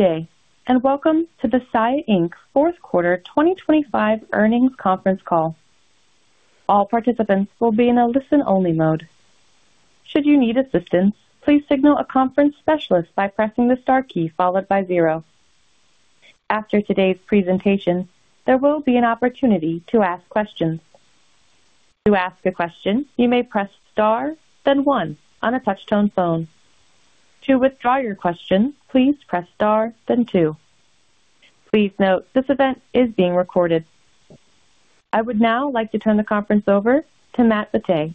Today and welcome to the Saia, Inc. fourth quarter 2025 earnings conference call. All participants will be in a listen-only mode. Should you need assistance, please signal a conference specialist by pressing the star key followed by 0. After today's presentation, there will be an opportunity to ask questions. To ask a question, you may press star, then 1 on a touch-tone phone. To withdraw your question, please press star, then 2. Please note this event is being recorded. I would now like to turn the conference over to Matt Batteh,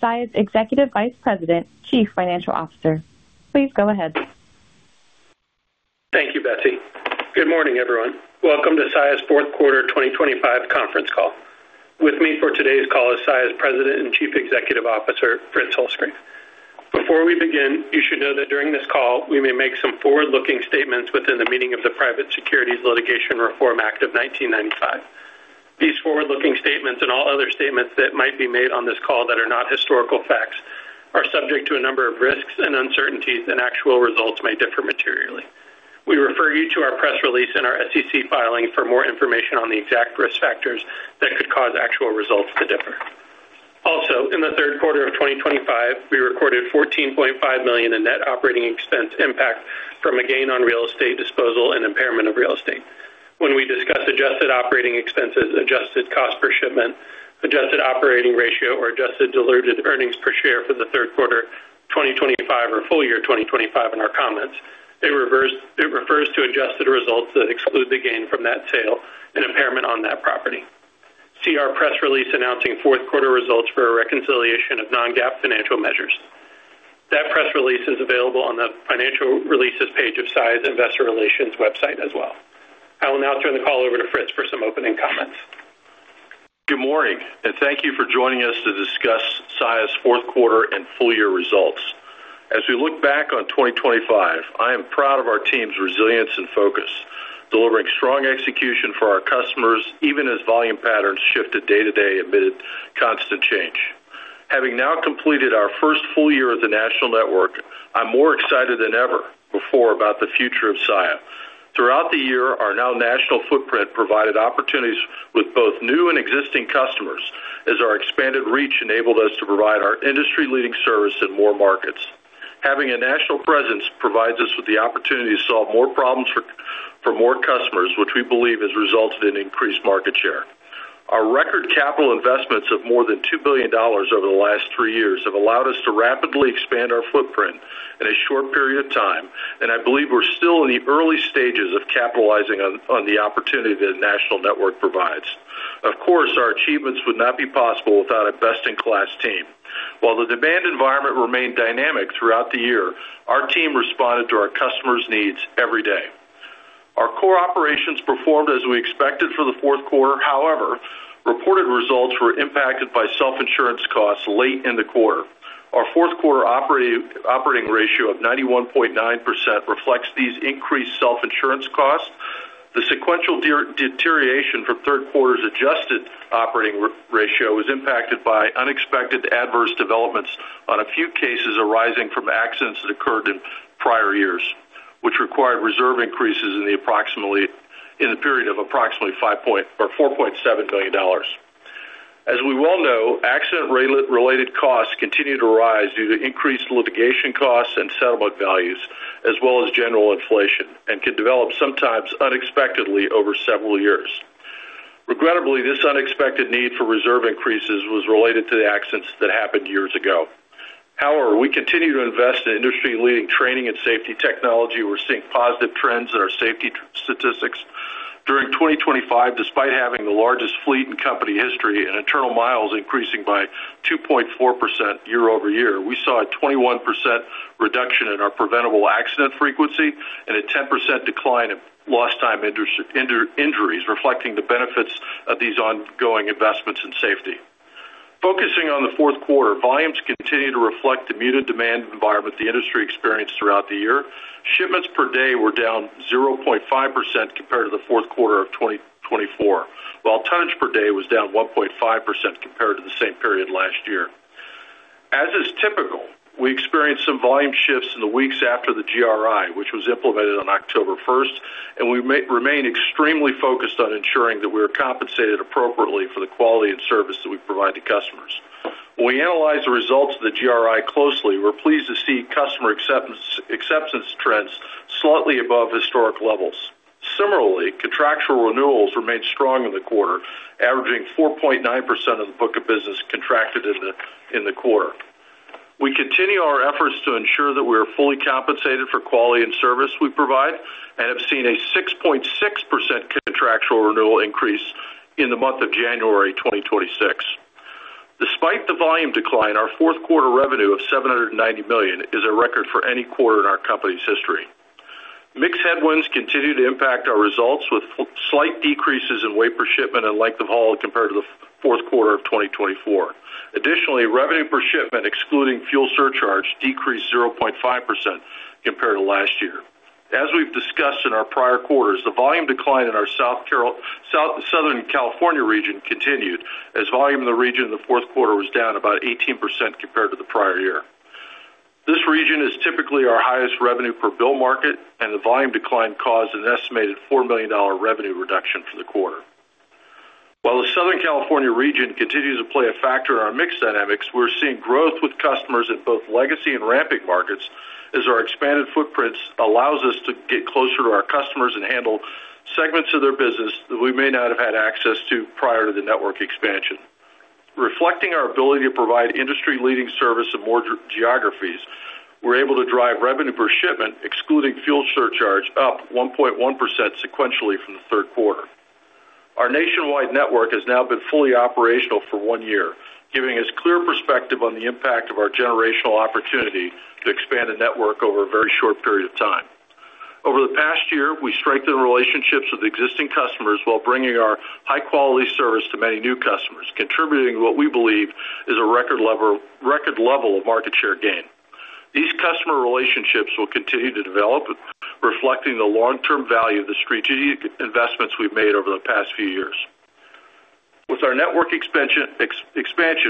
Saia's Executive Vice President, Chief Financial Officer. Please go ahead. Thank you, Betsy. Good morning, everyone. Welcome to Saia's fourth quarter 2025 conference call. With me for today's call is Saia's President and Chief Executive Officer, Fritz Holzgrefe. Before we begin, you should know that during this call we may make some forward-looking statements within the meaning of the Private Securities Litigation Reform Act of 1995. These forward-looking statements and all other statements that might be made on this call that are not historical facts are subject to a number of risks and uncertainties, and actual results may differ materially. We refer you to our press release and our SEC filing for more information on the exact risk factors that could cause actual results to differ. Also, in the third quarter of 2025, we recorded $14.5 million in net operating expense impact from a gain on real estate disposal and impairment of real estate. When we discuss adjusted operating expenses, adjusted cost per shipment, adjusted operating ratio, or adjusted diluted earnings per share for the third quarter 2025 or full year 2025 in our comments, it refers to adjusted results that exclude the gain from that sale and impairment on that property. See our press release announcing fourth quarter results for a reconciliation of non-GAAP financial measures. That press release is available on the financial releases page of Saia's Investor Relations website as well. I will now turn the call over to Fritz for some opening comments. Good morning, and thank you for joining us to discuss Saia's fourth quarter and full year results. As we look back on 2025, I am proud of our team's resilience and focus, delivering strong execution for our customers even as volume patterns shifted day-to-day amid constant change. Having now completed our first full year at the national network, I'm more excited than ever before about the future of Saia. Throughout the year, our now national footprint provided opportunities with both new and existing customers, as our expanded reach enabled us to provide our industry-leading service in more markets. Having a national presence provides us with the opportunity to solve more problems for more customers, which we believe has resulted in increased market share. Our record capital investments of more than $2 billion over the last three years have allowed us to rapidly expand our footprint in a short period of time, and I believe we're still in the early stages of capitalizing on the opportunity that the national network provides. Of course, our achievements would not be possible without a best-in-class team. While the demand environment remained dynamic throughout the year, our team responded to our customers' needs every day. Our core operations performed as we expected for the fourth quarter. However, reported results were impacted by self-insurance costs late in the quarter. Our fourth quarter operating ratio of 91.9% reflects these increased self-insurance costs. The sequential deterioration from third quarter's adjusted operating ratio was impacted by unexpected adverse developments on a few cases arising from accidents that occurred in prior years, which required reserve increases in the period of approximately $4.7 million. As we well know, accident-related costs continue to rise due to increased litigation costs and settlement values, as well as general inflation, and could develop sometimes unexpectedly over several years. Regrettably, this unexpected need for reserve increases was related to the accidents that happened years ago. However, we continue to invest in industry-leading training and safety technology. We're seeing positive trends in our safety statistics. During 2025, despite having the largest fleet in company history and internal miles increasing by 2.4% year-over-year, we saw a 21% reduction in our preventable accident frequency and a 10% decline in lost-time injuries, reflecting the benefits of these ongoing investments in safety. Focusing on the fourth quarter, volumes continue to reflect the muted demand environment the industry experienced throughout the year. Shipments per day were down 0.5% compared to the fourth quarter of 2024, while tonnage per day was down 1.5% compared to the same period last year. As is typical, we experienced some volume shifts in the weeks after the GRI, which was implemented on October 1st, and we remain extremely focused on ensuring that we are compensated appropriately for the quality and service that we provide to customers. When we analyze the results of the GRI closely, we're pleased to see customer acceptance trends slightly above historic levels. Similarly, contractual renewals remained strong in the quarter, averaging 4.9% of the book of business contracted in the quarter. We continue our efforts to ensure that we are fully compensated for quality and service we provide and have seen a 6.6% contractual renewal increase in the month of January 2026. Despite the volume decline, our fourth quarter revenue of $790 million is a record for any quarter in our company's history. Mixed headwinds continue to impact our results, with slight decreases in weight per shipment and length of haul compared to the fourth quarter of 2024. Additionally, revenue per shipment excluding fuel surcharge decreased 0.5% compared to last year. As we've discussed in our prior quarters, the volume decline in our Southern California region continued, as volume in the region in the fourth quarter was down about 18% compared to the prior year. This region is typically our highest revenue per bill market, and the volume decline caused an estimated $4 million revenue reduction for the quarter. While the Southern California region continues to play a factor in our mixed dynamics, we're seeing growth with customers in both legacy and ramping markets, as our expanded footprint allows us to get closer to our customers and handle segments of their business that we may not have had access to prior to the network expansion. Reflecting our ability to provide industry-leading service in more geographies, we're able to drive revenue per shipment excluding fuel surcharge up 1.1% sequentially from the third quarter. Our nationwide network has now been fully operational for one year, giving us clear perspective on the impact of our generational opportunity to expand a network over a very short period of time. Over the past year, we strengthened relationships with existing customers while bringing our high-quality service to many new customers, contributing to what we believe is a record level of market share gain. These customer relationships will continue to develop, reflecting the long-term value of the strategic investments we've made over the past few years. With our network expansion,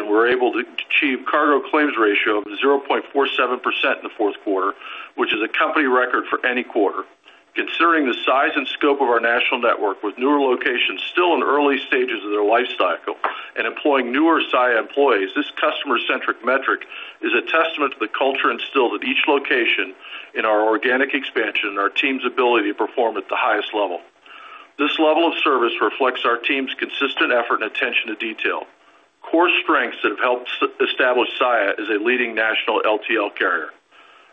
we're able to achieve cargo claims ratio of 0.47% in the fourth quarter, which is a company record for any quarter. Considering the size and scope of our national network, with newer locations still in early stages of their lifecycle and employing newer Saia employees, this customer-centric metric is a testament to the culture instilled at each location in our organic expansion and our team's ability to perform at the highest level. This level of service reflects our team's consistent effort and attention to detail, core strengths that have helped establish Saia as a leading national LTL carrier.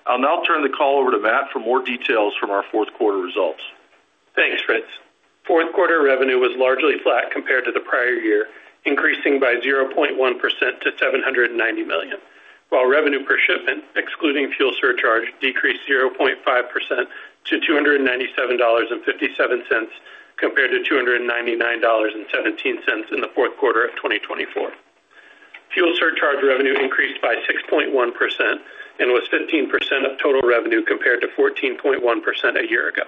I'll now turn the call over to Matt for more details from our fourth quarter results. Thanks, Fritz. Fourth quarter revenue was largely flat compared to the prior year, increasing by 0.1% to $790 million, while revenue per shipment excluding fuel surcharge decreased 0.5% to $297.57 compared to $299.17 in the fourth quarter of 2024. Fuel surcharge revenue increased by 6.1% and was 15% of total revenue compared to 14.1% a year ago.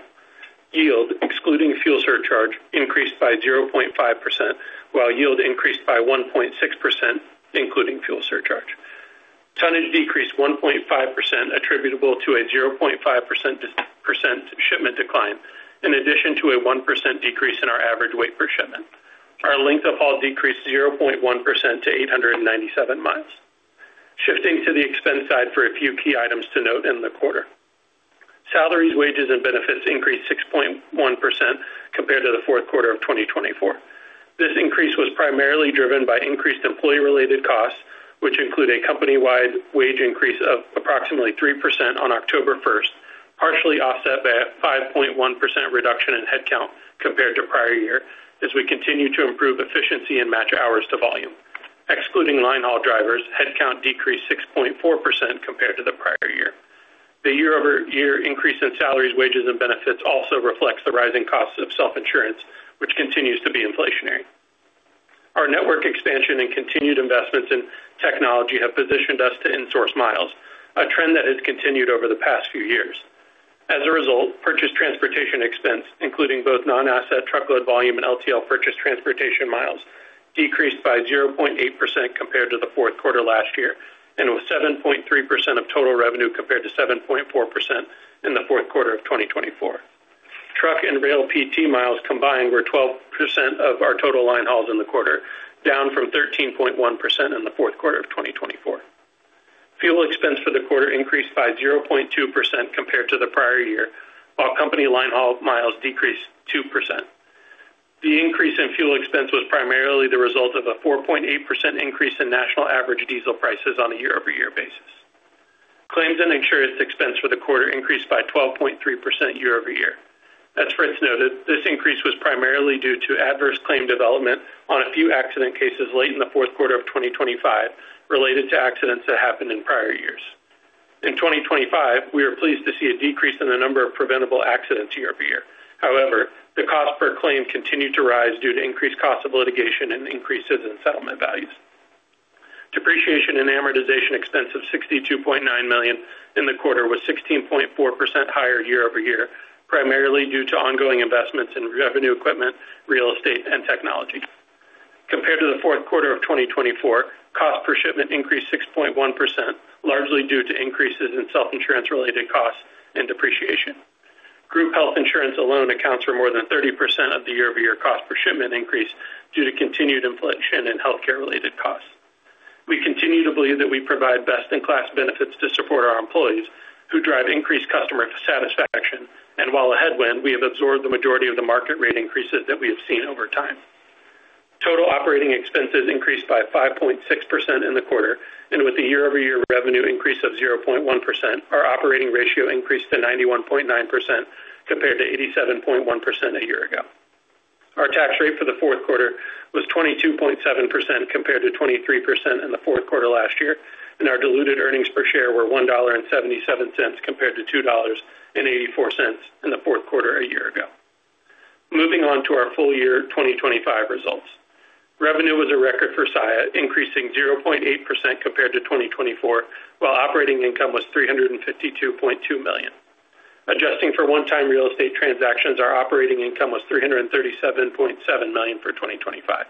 Yield excluding fuel surcharge increased by 0.5%, while yield increased by 1.6% including fuel surcharge. Tonnage decreased 1.5% attributable to a 0.5% shipment decline, in addition to a 1% decrease in our average weight per shipment. Our length of haul decreased 0.1% to 897 miles. Shifting to the expense side for a few key items to note in the quarter: salaries, wages, and benefits increased 6.1% compared to the fourth quarter of 2024. This increase was primarily driven by increased employee-related costs, which include a company-wide wage increase of approximately 3% on October 1st, partially offset by a 5.1% reduction in headcount compared to prior year, as we continue to improve efficiency and match hours to volume. Excluding line haul drivers, headcount decreased 6.4% compared to the prior year. The year-over-year increase in salaries, wages, and benefits also reflects the rising costs of self-insurance, which continues to be inflationary. Our network expansion and continued investments in technology have positioned us to insource miles, a trend that has continued over the past few years. As a result, purchased transportation expense, including both non-asset truckload volume and LTL purchased transportation miles, decreased by 0.8% compared to the fourth quarter last year and was 7.3% of total revenue compared to 7.4% in the fourth quarter of 2024. Truck and rail PT miles combined were 12% of our total line hauls in the quarter, down from 13.1% in the fourth quarter of 2024. Fuel expense for the quarter increased by 0.2% compared to the prior year, while company line haul miles decreased 2%. The increase in fuel expense was primarily the result of a 4.8% increase in national average diesel prices on a year-over-year basis. Claims and insurance expense for the quarter increased by 12.3% year-over-year. As Fritz noted, this increase was primarily due to adverse claim development on a few accident cases late in the fourth quarter of 2025 related to accidents that happened in prior years. In 2025, we are pleased to see a decrease in the number of preventable accidents year-over-year. However, the cost per claim continued to rise due to increased cost of litigation and increases in settlement values. Depreciation and amortization expense of $62.9 million in the quarter was 16.4% higher year-over-year, primarily due to ongoing investments in revenue equipment, real estate, and technology. Compared to the fourth quarter of 2024, cost per shipment increased 6.1%, largely due to increases in self-insurance-related costs and depreciation. Group health insurance alone accounts for more than 30% of the year-over-year cost per shipment increase due to continued inflation and healthcare-related costs. We continue to believe that we provide best-in-class benefits to support our employees, who drive increased customer satisfaction, and while a headwind, we have absorbed the majority of the market rate increases that we have seen over time. Total operating expenses increased by 5.6% in the quarter, and with a year-over-year revenue increase of 0.1%, our operating ratio increased to 91.9% compared to 87.1% a year ago. Our tax rate for the fourth quarter was 22.7% compared to 23% in the fourth quarter last year, and our diluted earnings per share were $1.77 compared to $2.84 in the fourth quarter a year ago. Moving on to our full year 2025 results: revenue was a record for Saia, increasing 0.8% compared to 2024, while operating income was $352.2 million. Adjusting for one-time real estate transactions, our operating income was $337.7 million for 2025.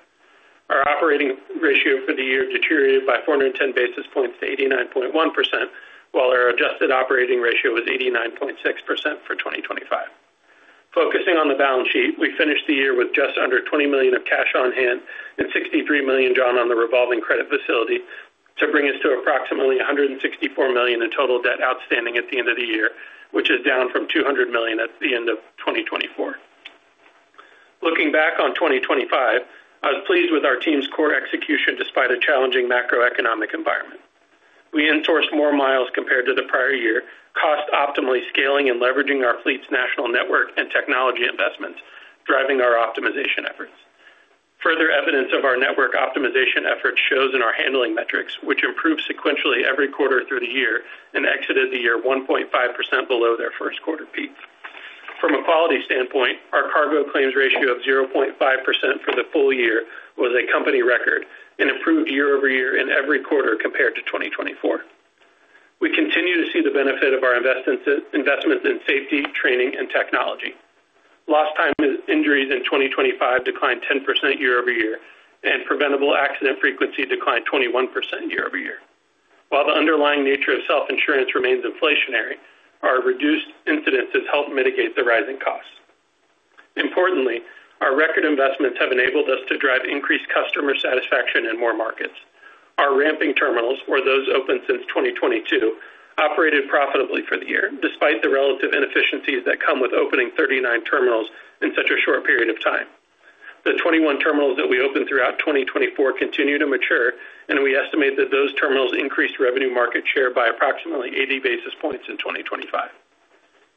Our operating ratio for the year deteriorated by 410 basis points to 89.1%, while our adjusted operating ratio was 89.6% for 2025. Focusing on the balance sheet, we finished the year with just under $20 million of cash on hand and $63 million drawn on the revolving credit facility to bring us to approximately $164 million in total debt outstanding at the end of the year, which is down from $200 million at the end of 2024. Looking back on 2025, I was pleased with our team's core execution despite a challenging macroeconomic environment. We insourced more miles compared to the prior year, cost-optimally scaling and leveraging our fleet's national network and technology investments, driving our optimization efforts. Further evidence of our network optimization efforts shows in our handling metrics, which improved sequentially every quarter through the year and exited the year 1.5% below their first quarter peak. From a quality standpoint, our cargo claims ratio of 0.5% for the full year was a company record and improved year-over-year in every quarter compared to 2024. We continue to see the benefit of our investments in safety, training, and technology. Lost-time injuries in 2025 declined 10% year-over-year, and preventable accident frequency declined 21% year-over-year. While the underlying nature of self-insurance remains inflationary, our reduced incidences help mitigate the rising costs. Importantly, our record investments have enabled us to drive increased customer satisfaction in more markets. Our ramping terminals, or those open since 2022, operated profitably for the year despite the relative inefficiencies that come with opening 39 terminals in such a short period of time. The 21 terminals that we opened throughout 2024 continue to mature, and we estimate that those terminals increased revenue market share by approximately 80 basis points in 2025.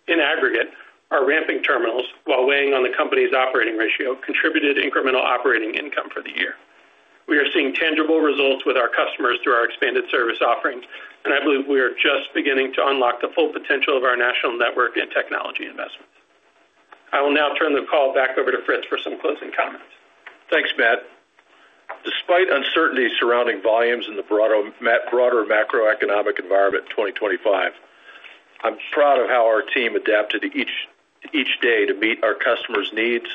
In aggregate, our ramping terminals, while weighing on the company's operating ratio, contributed incremental operating income for the year. We are seeing tangible results with our customers through our expanded service offerings, and I believe we are just beginning to unlock the full potential of our national network and technology investments. I will now turn the call back over to Fritz for some closing comments. Thanks, Matt. Despite uncertainty surrounding volumes in the broader macroeconomic environment in 2025, I'm proud of how our team adapted each day to meet our customers' needs.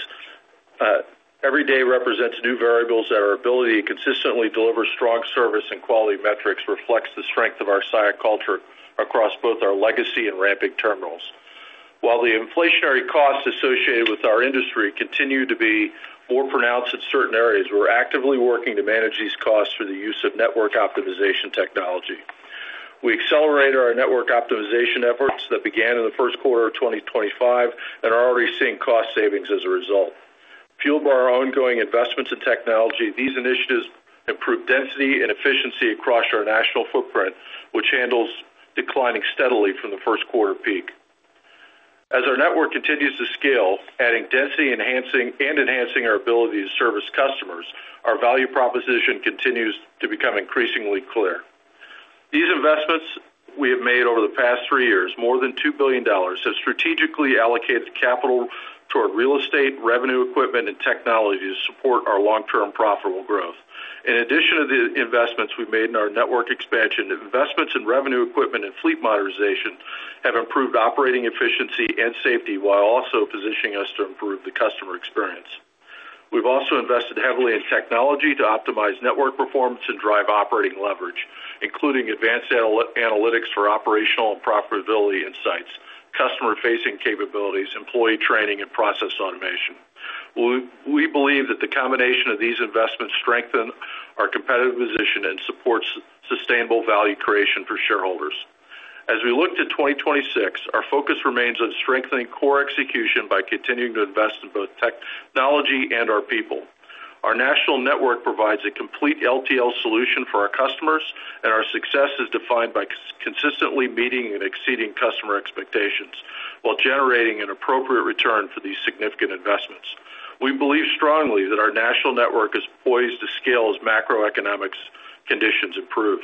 Every day represents new variables that our ability to consistently deliver strong service and quality metrics reflects the strength of our Saia culture across both our legacy and ramping terminals. While the inflationary costs associated with our industry continue to be more pronounced in certain areas, we're actively working to manage these costs through the use of network optimization technology. We accelerate our network optimization efforts that began in the first quarter of 2025 and are already seeing cost savings as a result. Fueled by our ongoing investments in technology, these initiatives improve density and efficiency across our national footprint, which handles declining steadily from the first quarter peak. As our network continues to scale, adding density and enhancing our ability to service customers, our value proposition continues to become increasingly clear. These investments we have made over the past three years, more than $2 billion, have strategically allocated capital toward real estate, revenue equipment, and technology to support our long-term profitable growth. In addition to the investments we've made in our network expansion, investments in revenue equipment and fleet modernization have improved operating efficiency and safety while also positioning us to improve the customer experience. We've also invested heavily in technology to optimize network performance and drive operating leverage, including advanced analytics for operational and profitability insights, customer-facing capabilities, employee training, and process automation. We believe that the combination of these investments strengthens our competitive position and supports sustainable value creation for shareholders. As we look to 2026, our focus remains on strengthening core execution by continuing to invest in both technology and our people. Our national network provides a complete LTL solution for our customers, and our success is defined by consistently meeting and exceeding customer expectations while generating an appropriate return for these significant investments. We believe strongly that our national network is poised to scale as macroeconomic conditions improve.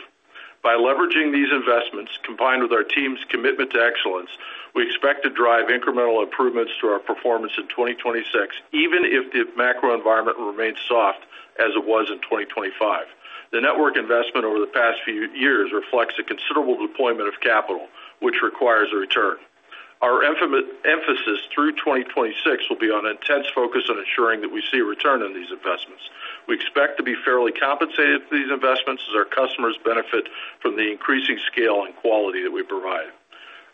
By leveraging these investments combined with our team's commitment to excellence, we expect to drive incremental improvements to our performance in 2026, even if the macro environment remains soft as it was in 2025. The network investment over the past few years reflects a considerable deployment of capital, which requires a return. Our emphasis through 2026 will be on an intense focus on ensuring that we see a return in these investments. We expect to be fairly compensated for these investments as our customers benefit from the increasing scale and quality that we provide.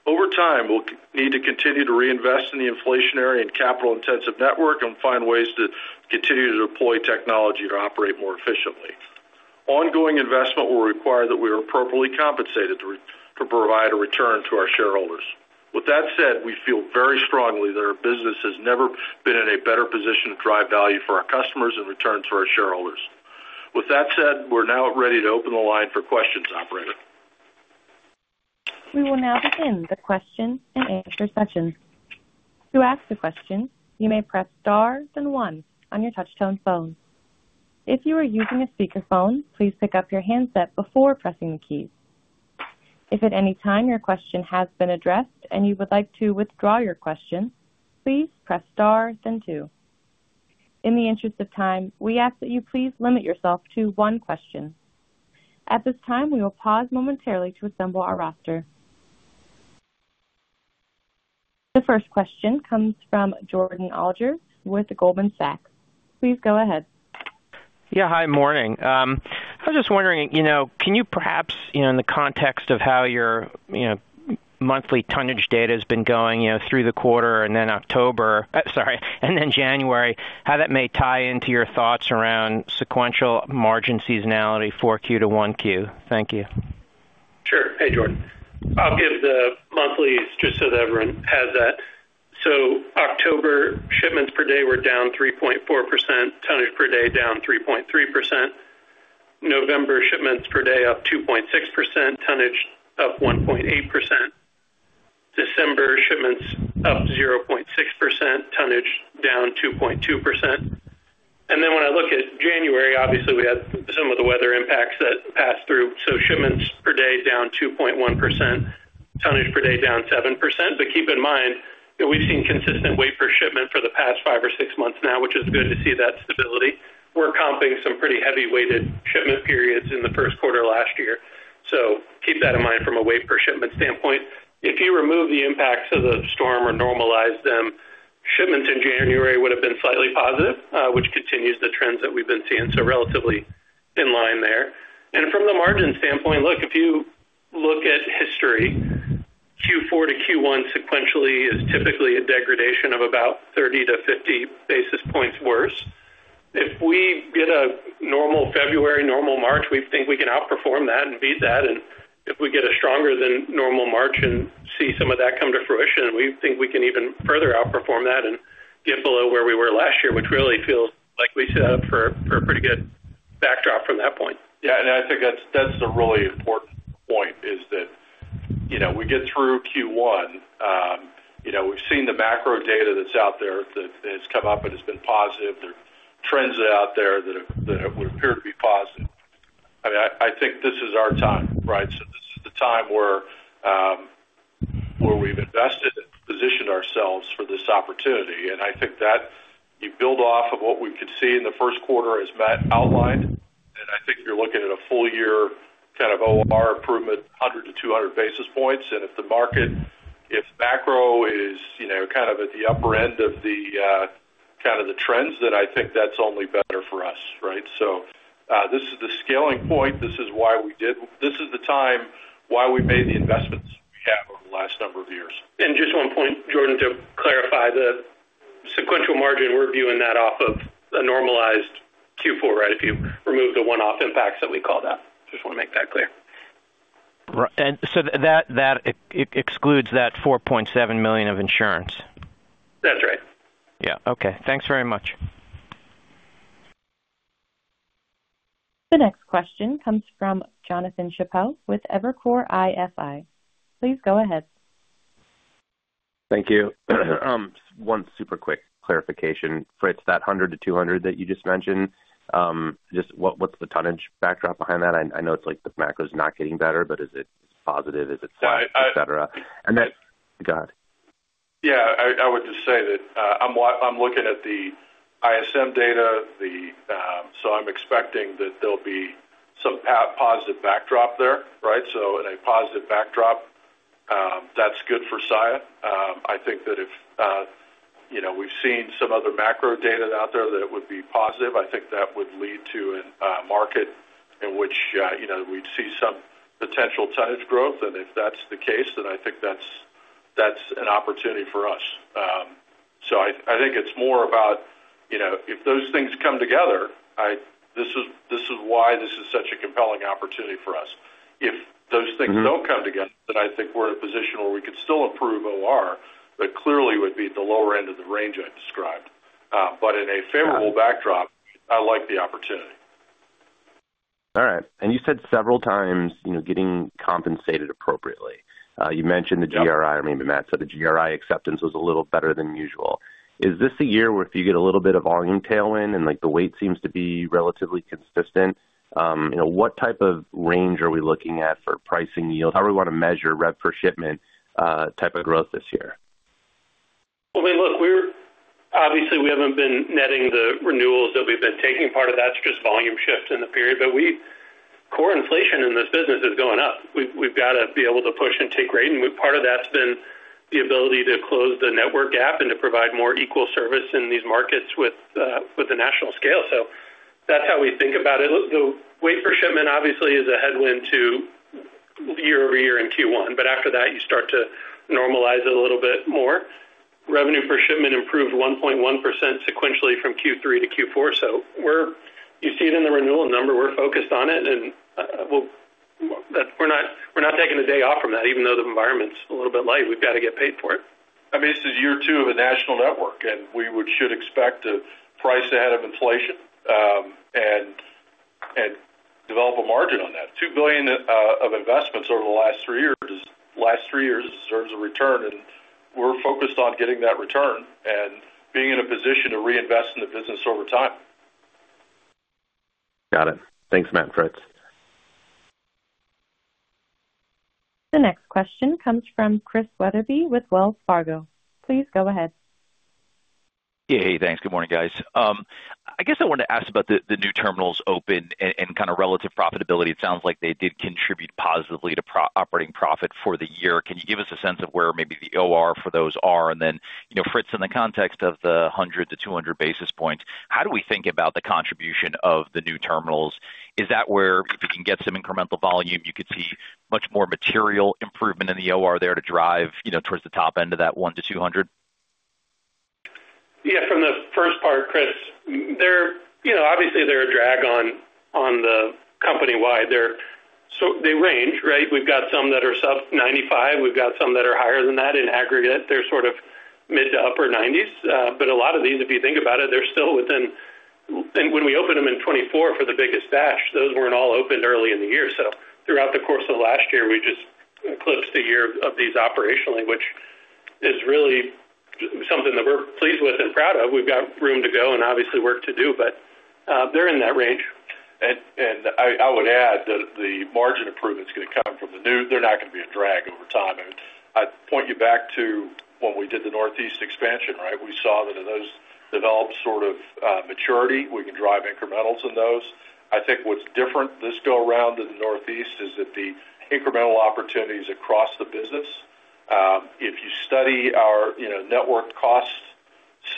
Over time, we'll need to continue to reinvest in the inflationary and capital-intensive network and find ways to continue to deploy technology to operate more efficiently. Ongoing investment will require that we are appropriately compensated to provide a return to our shareholders. With that said, we feel very strongly that our business has never been in a better position to drive value for our customers and return to our shareholders. With that said, we're now ready to open the line for questions, operator. We will now begin the question and answer session. To ask a question, you may press star then one on your touchtone phone. If you are using a speakerphone, please pick up your handset before pressing the keys. If at any time your question has been addressed and you would like to withdraw your question, please press star then two. In the interest of time, we ask that you please limit yourself to one question. At this time, we will pause momentarily to assemble our roster. The first question comes from Jordan Alliger with Goldman Sachs. Please go ahead. Yeah, hi, morning. I was just wondering, can you perhaps, in the context of how your monthly tonnage data has been going through the quarter and then October sorry, and then January, how that may tie into your thoughts around sequential margin seasonality 4Q to 1Q? Thank you. Sure. Hey, Jordan. I'll give the monthlies just so that everyone has that. So October shipments per day were down 3.4%, tonnage per day down 3.3%. November shipments per day up 2.6%, tonnage up 1.8%. December shipments up 0.6%, tonnage down 2.2%. And then when I look at January, obviously, we had some of the weather impacts that passed through. So shipments per day down 2.1%, tonnage per day down 7%. But keep in mind that we've seen consistent weight per shipment for the past five or six months now, which is good to see that stability. We're comping some pretty heavy-weighted shipment periods in the first quarter last year. So keep that in mind from a weight per shipment standpoint. If you remove the impacts of the storm or normalize them, shipments in January would have been slightly positive, which continues the trends that we've been seeing, so relatively in line there. From the margin standpoint, look, if you look at history, Q4 to Q1 sequentially is typically a degradation of about 30-50 basis points worse. If we get a normal February, normal March, we think we can outperform that and beat that. If we get a stronger than normal March and see some of that come to fruition, we think we can even further outperform that and get below where we were last year, which really feels like we set up for a pretty good backdrop from that point. Yeah. And I think that's a really important point, is that we get through Q1. We've seen the macro data that's out there that has come up and has been positive. There are trends out there that would appear to be positive. I mean, I think this is our time, right? So this is the time where we've invested and positioned ourselves for this opportunity. And I think that you build off of what we could see in the first quarter as Matt outlined. And I think you're looking at a full-year kind of OR improvement, 100-200 basis points. And if the market, if macro is kind of at the upper end of the kind of the trends, then I think that's only better for us, right? So this is the scaling point. This is why we did this. This is the time why we made the investments we have over the last number of years. Just one point, Jordan, to clarify, the sequential margin, we're viewing that off of a normalized Q4, right, if you remove the one-off impacts that we call that. Just want to make that clear. And so that excludes that $4.7 million of insurance? That's right. Yeah. Okay. Thanks very much. The next question comes from Jonathan Chappell with Evercore ISI. Please go ahead. Thank you. One super quick clarification, Fritz, that 100-200 that you just mentioned, just what's the tonnage backdrop behind that? I know it's like the macro's not getting better, but is it positive? Is it slight, etc.? And then go ahead. Yeah. I would just say that I'm looking at the ISM data, so I'm expecting that there'll be some positive backdrop there, right? So in a positive backdrop, that's good for Saia. I think that if we've seen some other macro data out there that would be positive, I think that would lead to a market in which we'd see some potential tonnage growth. And if that's the case, then I think that's an opportunity for us. So I think it's more about if those things come together; this is why this is such a compelling opportunity for us. If those things don't come together, then I think we're in a position where we could still improve OR, that clearly would be at the lower end of the range I described. But in a favorable backdrop, I like the opportunity. All right. And you said several times getting compensated appropriately. You mentioned the GRI. I mean, Matt said the GRI acceptance was a little better than usual. Is this a year where if you get a little bit of volume tailwind and the weight seems to be relatively consistent, what type of range are we looking at for pricing yield? How do we want to measure Rev Per Shipment type of growth this year? Well, I mean, look, obviously, we haven't been netting the renewals that we've been taking. Part of that's just volume shift in the period. But core inflation in this business is going up. We've got to be able to push and take rate. And part of that's been the ability to close the network gap and to provide more equal service in these markets with the national scale. So that's how we think about it. The weight per shipment, obviously, is a headwind year-over-year in Q1. But after that, you start to normalize it a little bit more. Revenue per shipment improved 1.1% sequentially from Q3 to Q4. So you see it in the renewal number. We're focused on it. And we're not taking a day off from that, even though the environment's a little bit light. We've got to get paid for it. I mean, this is year two of a national network, and we should expect to price ahead of inflation and develop a margin on that. $2 billion of investments over the last three years deserves a return. And we're focused on getting that return and being in a position to reinvest in the business over time. Got it. Thanks, Matt and Fritz. The next question comes from Chris Wetherbee with Wells Fargo. Please go ahead. Yeah. Hey, thanks. Good morning, guys. I guess I wanted to ask about the new terminals open and kind of relative profitability. It sounds like they did contribute positively to operating profit for the year. Can you give us a sense of where maybe the OR for those are? And then, Fritz, in the context of the 100-200 basis points, how do we think about the contribution of the new terminals? Is that where if you can get some incremental volume, you could see much more material improvement in the OR there to drive towards the top end of that 1-200? Yeah. From the first part, Chris, obviously, they're a drag on the company-wide. So they range, right? We've got some that are sub-95. We've got some that are higher than that. In aggregate, they're sort of mid to upper 90s. But a lot of these, if you think about it, they're still within and when we opened them in 2024 for the biggest batch, those weren't all opened early in the year. So throughout the course of last year, we just eclipsed a year of these operationally, which is really something that we're pleased with and proud of. We've got room to go and, obviously, work to do. But they're in that range. I would add that the margin improvement's going to come from the new; they're not going to be a drag over time. I point you back to when we did the Northeast expansion, right? We saw that if those develop sort of maturity, we can drive incrementals in those. I think what's different this go around in the Northeast is that the incremental opportunities across the business if you study our network cost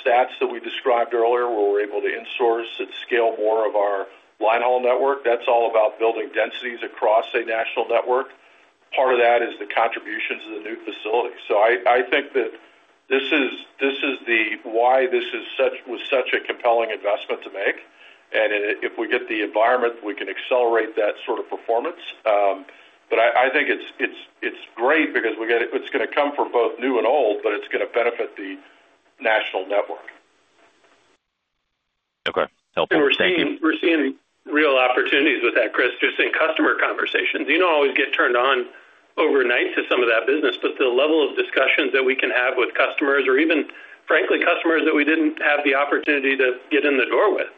stats that we described earlier where we're able to insource and scale more of our linehaul network, that's all about building densities across a national network. Part of that is the contributions of the new facility. So I think that this is why this was such a compelling investment to make. And if we get the environment, we can accelerate that sort of performance. I think it's great because it's going to come from both new and old, but it's going to benefit the national network. Okay. Helpful. Thank you. We're seeing real opportunities with that, Chris. Just in customer conversations, you know how we get turned on overnight to some of that business? But the level of discussions that we can have with customers or even, frankly, customers that we didn't have the opportunity to get in the door with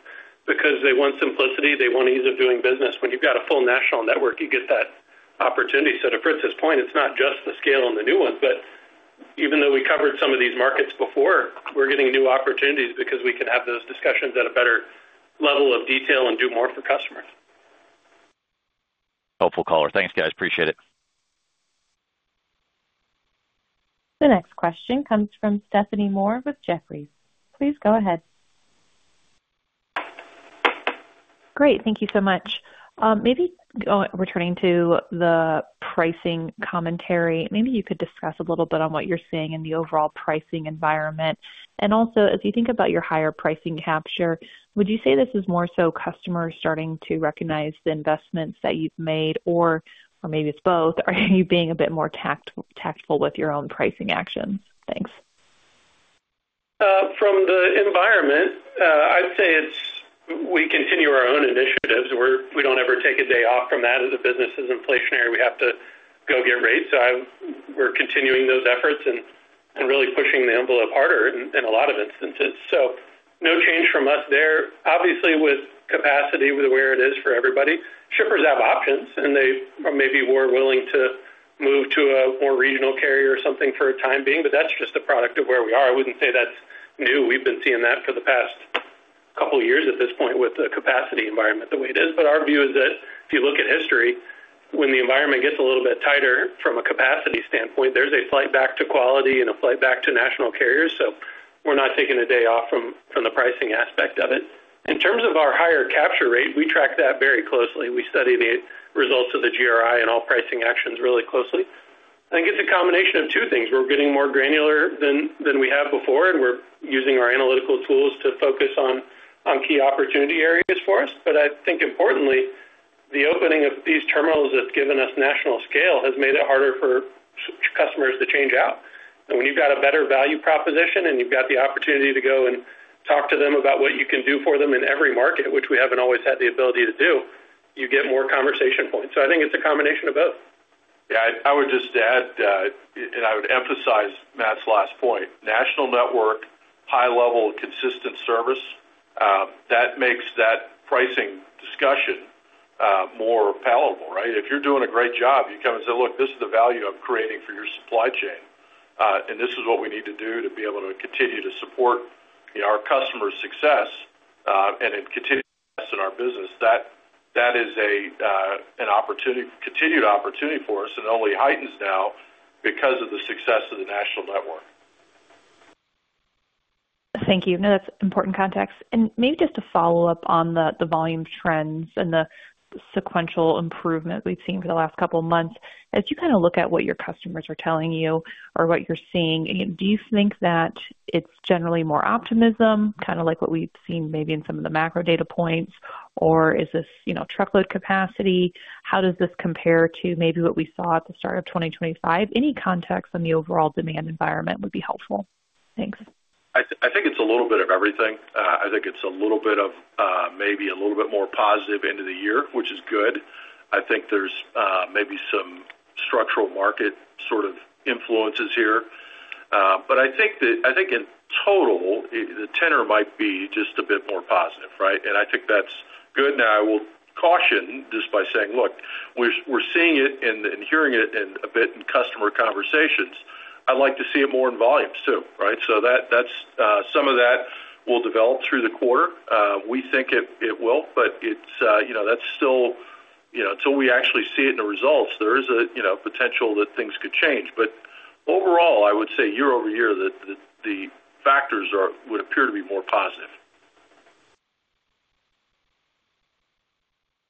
because they want simplicity. They want ease of doing business. When you've got a full national network, you get that opportunity. So to Fritz's point, it's not just the scale and the new ones. But even though we covered some of these markets before, we're getting new opportunities because we can have those discussions at a better level of detail and do more for customers. Helpful colour. Thanks, guys. Appreciate it. The next question comes from Stephanie Moore with Jefferies. Please go ahead. Great. Thank you so much. Maybe returning to the pricing commentary, maybe you could discuss a little bit on what you're seeing in the overall pricing environment. Also, as you think about your higher pricing capture, would you say this is more so customers starting to recognize the investments that you've made? Or maybe it's both. Are you being a bit more tactful with your own pricing actions? Thanks. From the environment, I'd say we continue our own initiatives. We don't ever take a day off from that as the business is inflationary. We have to go get rates. So we're continuing those efforts and really pushing the envelope harder in a lot of instances. So no change from us there. Obviously, with capacity, with where it is for everybody, shippers have options. And they maybe were willing to move to a more regional carrier or something for the time being. But that's just a product of where we are. I wouldn't say that's new. We've been seeing that for the past couple of years at this point with the capacity environment the way it is. But our view is that if you look at history, when the environment gets a little bit tighter from a capacity standpoint, there's a flight back to quality and a flight back to national carriers. So we're not taking a day off from the pricing aspect of it. In terms of our higher capture rate, we track that very closely. We study the results of the GRI and all pricing actions really closely. I think it's a combination of two things. We're getting more granular than we have before. And we're using our analytical tools to focus on key opportunity areas for us. But I think, importantly, the opening of these terminals that's given us national scale has made it harder for customers to change out. When you've got a better value proposition and you've got the opportunity to go and talk to them about what you can do for them in every market, which we haven't always had the ability to do, you get more conversation points. I think it's a combination of both. Yeah. I would just add, and I would emphasize Matt's last point, national network, high-level, consistent service, that makes that pricing discussion more palatable, right? If you're doing a great job, you come and say, "Look, this is the value I'm creating for your supply chain. And this is what we need to do to be able to continue to support our customer's success and in continued success in our business." That is an opportunity, continued opportunity for us, and only heightens now because of the success of the national network. Thank you. No, that's important context. And maybe just to follow up on the volume trends and the sequential improvement we've seen for the last couple of months, as you kind of look at what your customers are telling you or what you're seeing, do you think that it's generally more optimism, kind of like what we've seen maybe in some of the macro data points? Or is this truckload capacity? How does this compare to maybe what we saw at the start of 2025? Any context on the overall demand environment would be helpful. Thanks. I think it's a little bit of everything. I think it's a little bit of maybe a little bit more positive end of the year, which is good. I think there's maybe some structural market sort of influences here. But I think, in total, the tenor might be just a bit more positive, right? And I think that's good. Now, I will caution just by saying, "Look, we're seeing it and hearing it a bit in customer conversations. I'd like to see it more in volumes too," right? So some of that will develop through the quarter. We think it will. But that's still until we actually see it in the results, there is a potential that things could change. But overall, I would say year-over-year, the factors would appear to be more positive.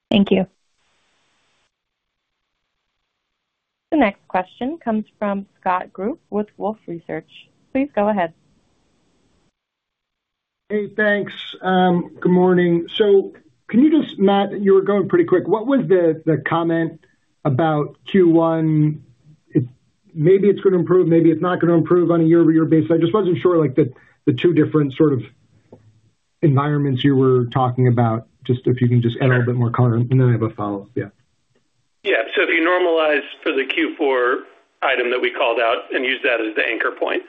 Thank you. The next question comes from Scott Group with Wolfe Research. Please go ahead. Hey, thanks. Good morning. So can you just, Matt, you were going pretty quick. What was the comment about Q1? Maybe it's going to improve. Maybe it's not going to improve on a year-over-year basis. I just wasn't sure the two different sort of environments you were talking about. Just if you can just add a little bit more color. And then I have a follow-up. Yeah. Yeah. So if you normalize for the Q4 item that we called out and use that as the anchor point,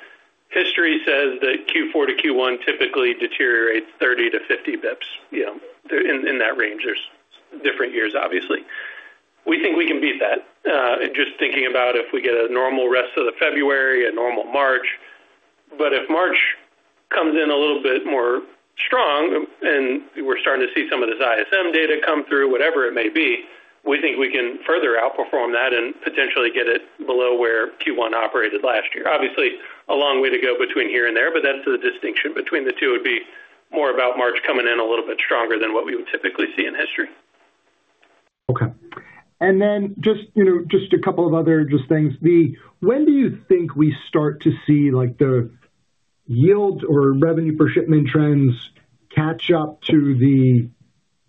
history says that Q4 to Q1 typically deteriorates 30-50 basis points in that range. There's different years, obviously. We think we can beat that just thinking about if we get a normal rest of the February, a normal March. But if March comes in a little bit more strong, and we're starting to see some of this ISM data come through, whatever it may be, we think we can further outperform that and potentially get it below where Q1 operated last year. Obviously, a long way to go between here and there. But that's the distinction between the two. It would be more about March coming in a little bit stronger than what we would typically see in history. Okay. Then just a couple of other things. When do you think we start to see the yields or revenue per shipment trends catch up to the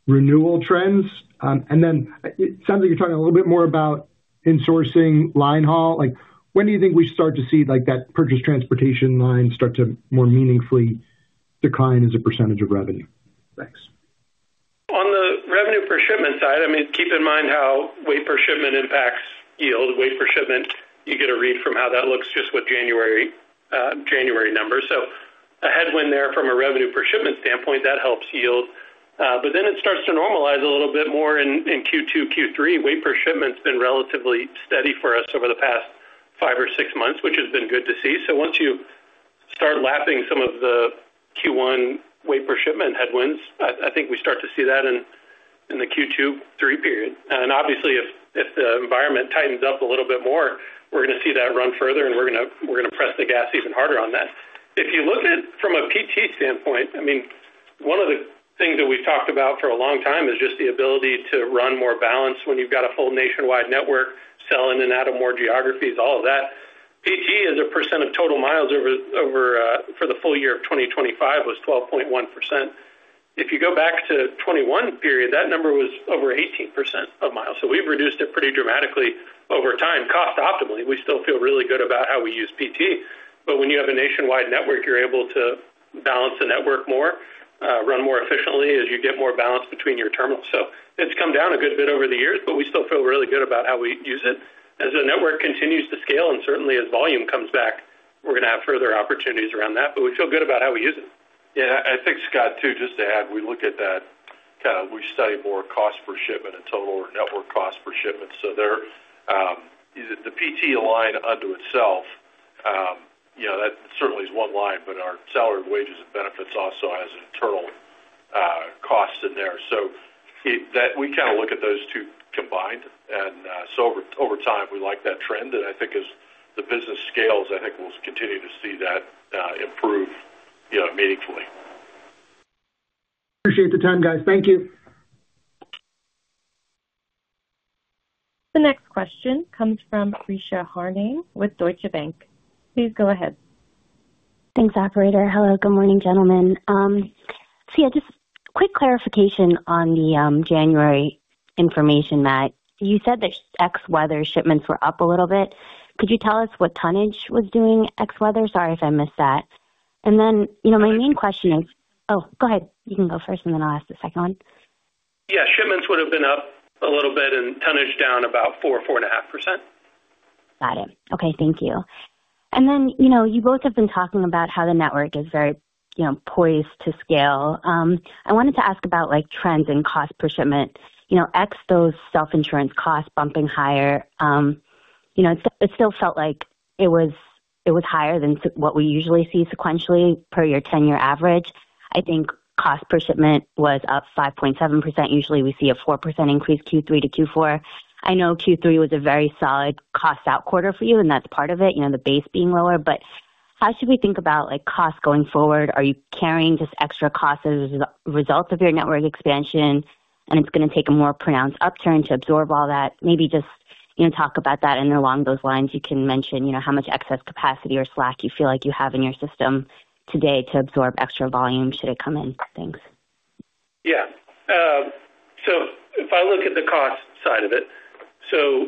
renewal trends? And then it sounds like you're talking a little bit more about insourcing linehaul. When do you think we start to see that purchased transportation line start to more meaningfully decline as a percentage of revenue? Thanks. On the revenue per shipment side, I mean, keep in mind how weight per shipment impacts yield. Weight per shipment, you get a read from how that looks just with January numbers. So a headwind there from a revenue per shipment standpoint, that helps yield. But then it starts to normalize a little bit more in Q2, Q3. Weight per shipment's been relatively steady for us over the past five or six months, which has been good to see. So once you start lapping some of the Q1 weight per shipment headwinds, I think we start to see that in the Q2, Q3 period. And obviously, if the environment tightens up a little bit more, we're going to see that run further. And we're going to press the gas even harder on that. If you look at it from a PT standpoint, I mean, one of the things that we've talked about for a long time is just the ability to run more balance when you've got a full nationwide network, sell in and out of more geographies, all of that. PT, as a percent of total miles for the full year of 2025, was 12.1%. If you go back to 2021 period, that number was over 18% of miles. So we've reduced it pretty dramatically over time. Cost-optimally, we still feel really good about how we use PT. But when you have a nationwide network, you're able to balance the network more, run more efficiently as you get more balance between your terminals. So it's come down a good bit over the years, but we still feel really good about how we use it. As the network continues to scale and certainly as volume comes back, we're going to have further opportunities around that. But we feel good about how we use it. Yeah. I think, Scott, too, just to add, we look at that kind of we study more cost per shipment in total or network cost per shipment. So the PT line unto itself, that certainly is one line. But our salary and wages and benefits also has internal costs in there. So we kind of look at those two combined. And so over time, we like that trend. And I think as the business scales, I think we'll continue to see that improve meaningfully. Appreciate the time, guys. Thank you. The next question comes from Richa Harned with Deutsche Bank. Please go ahead. Thanks, operator. Hello. Good morning, gentlemen. So yeah, just quick clarification on the January information, Matt. You said that ex-weather shipments were up a little bit. Could you tell us what tonnage was doing ex-weather? Sorry if I missed that. And then my main question is oh, go ahead. You can go first, and then I'll ask the second one. Yeah. Shipments would have been up a little bit and tonnage down about 4%-4.5%. Got it. Okay. Thank you. And then you both have been talking about how the network is very poised to scale. I wanted to ask about trends in cost per shipment. Excluding those self-insurance costs bumping higher, it still felt like it was higher than what we usually see sequentially per your 10-year average. I think cost per shipment was up 5.7%. Usually, we see a 4% increase Q3 to Q4. I know Q3 was a very solid cost-out quarter for you, and that's part of it, the base being lower. But how should we think about cost going forward? Are you carrying just extra costs as a result of your network expansion? And it's going to take a more pronounced upturn to absorb all that. Maybe just talk about that. Along those lines, you can mention how much excess capacity or slack you feel like you have in your system today to absorb extra volume should it come in. Thanks. Yeah. So if I look at the cost side of it so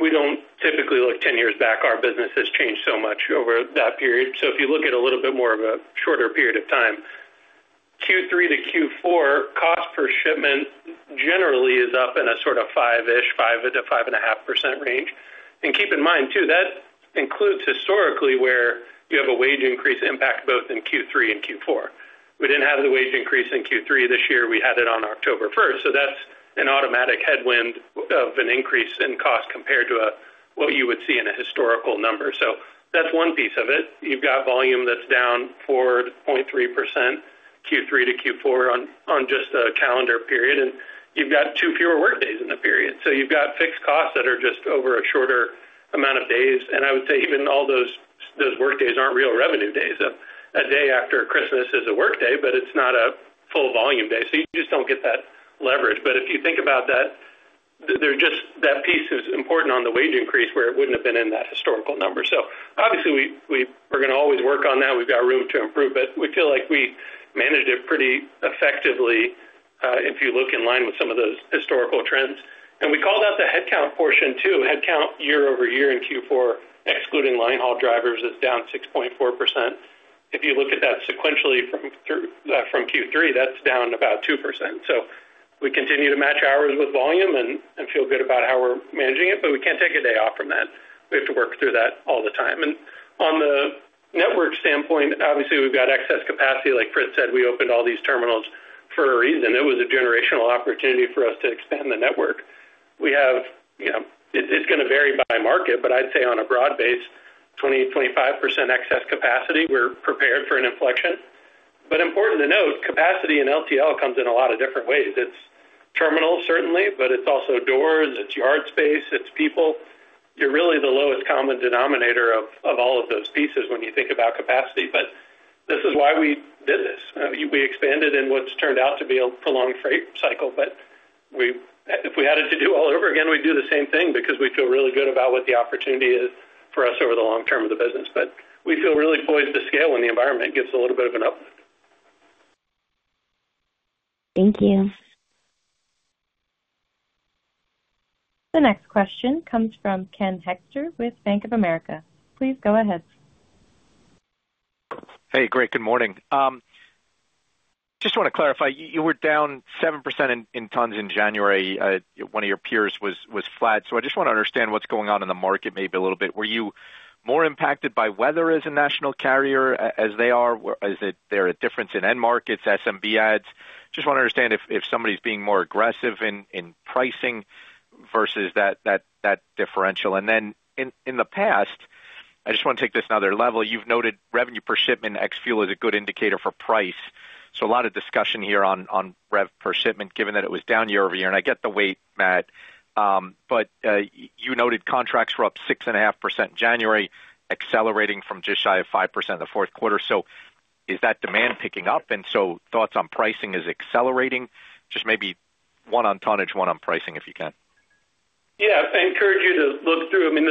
we don't typically look 10 years back. Our business has changed so much over that period. So if you look at a little bit more of a shorter period of time, Q3 to Q4, cost per shipment generally is up in a sort of 5-ish, 5%-5.5% range. And keep in mind too, that includes historically where you have a wage increase impact both in Q3 and Q4. We didn't have the wage increase in Q3 this year. We had it on October 1st. So that's an automatic headwind of an increase in cost compared to what you would see in a historical number. So that's one piece of it. You've got volume that's down 4.3% Q3 to Q4 on just a calendar period. And you've got two fewer workdays in the period. So you've got fixed costs that are just over a shorter amount of days. And I would say even all those workdays aren't real revenue days. A day after Christmas is a workday, but it's not a full-volume day. So you just don't get that leverage. But if you think about that, that piece is important on the wage increase where it wouldn't have been in that historical number. So obviously, we're going to always work on that. We've got room to improve. But we feel like we managed it pretty effectively if you look in line with some of those historical trends. And we called out the headcount portion too. Headcount year-over-year in Q4, excluding linehaul drivers, is down 6.4%. If you look at that sequentially from Q3, that's down about 2%. So we continue to match hours with volume and feel good about how we're managing it. But we can't take a day off from that. We have to work through that all the time. And on the network standpoint, obviously, we've got excess capacity. Like Fritz said, we opened all these terminals for a reason. It was a generational opportunity for us to expand the network. It's going to vary by market. But I'd say on a broad base, 20%-25% excess capacity, we're prepared for an inflection. But important to note, capacity and LTL comes in a lot of different ways. It's terminals, certainly. But it's also doors. It's yard space. It's people. You're really the lowest common denominator of all of those pieces when you think about capacity. But this is why we did this. We expanded in what's turned out to be a prolonged freight cycle. But if we had it to do all over again, we'd do the same thing because we feel really good about what the opportunity is for us over the long term of the business. But we feel really poised to scale when the environment gives a little bit of an uplift. Thank you. The next question comes from Ken Hoexter with Bank of America. Please go ahead. Hey. Great. Good morning. Just want to clarify. You were down 7% in tons in January. One of your peers was flat. So I just want to understand what's going on in the market maybe a little bit. Were you more impacted by weather as a national carrier as they are? Is there a difference in end markets, SMB ads? Just want to understand if somebody's being more aggressive in pricing versus that differential. And then in the past, I just want to take this another level. You've noted revenue per shipment, X-Fuel is a good indicator for price. So a lot of discussion here on rev per shipment given that it was down year-over-year. And I get the weight, Matt. But you noted contracts were up 6.5% in January, accelerating from just shy of 5% in the fourth quarter. So is that demand picking up? And so thoughts on pricing is accelerating? Just maybe one on tonnage, one on pricing if you can. Yeah. I encourage you to look through. I mean,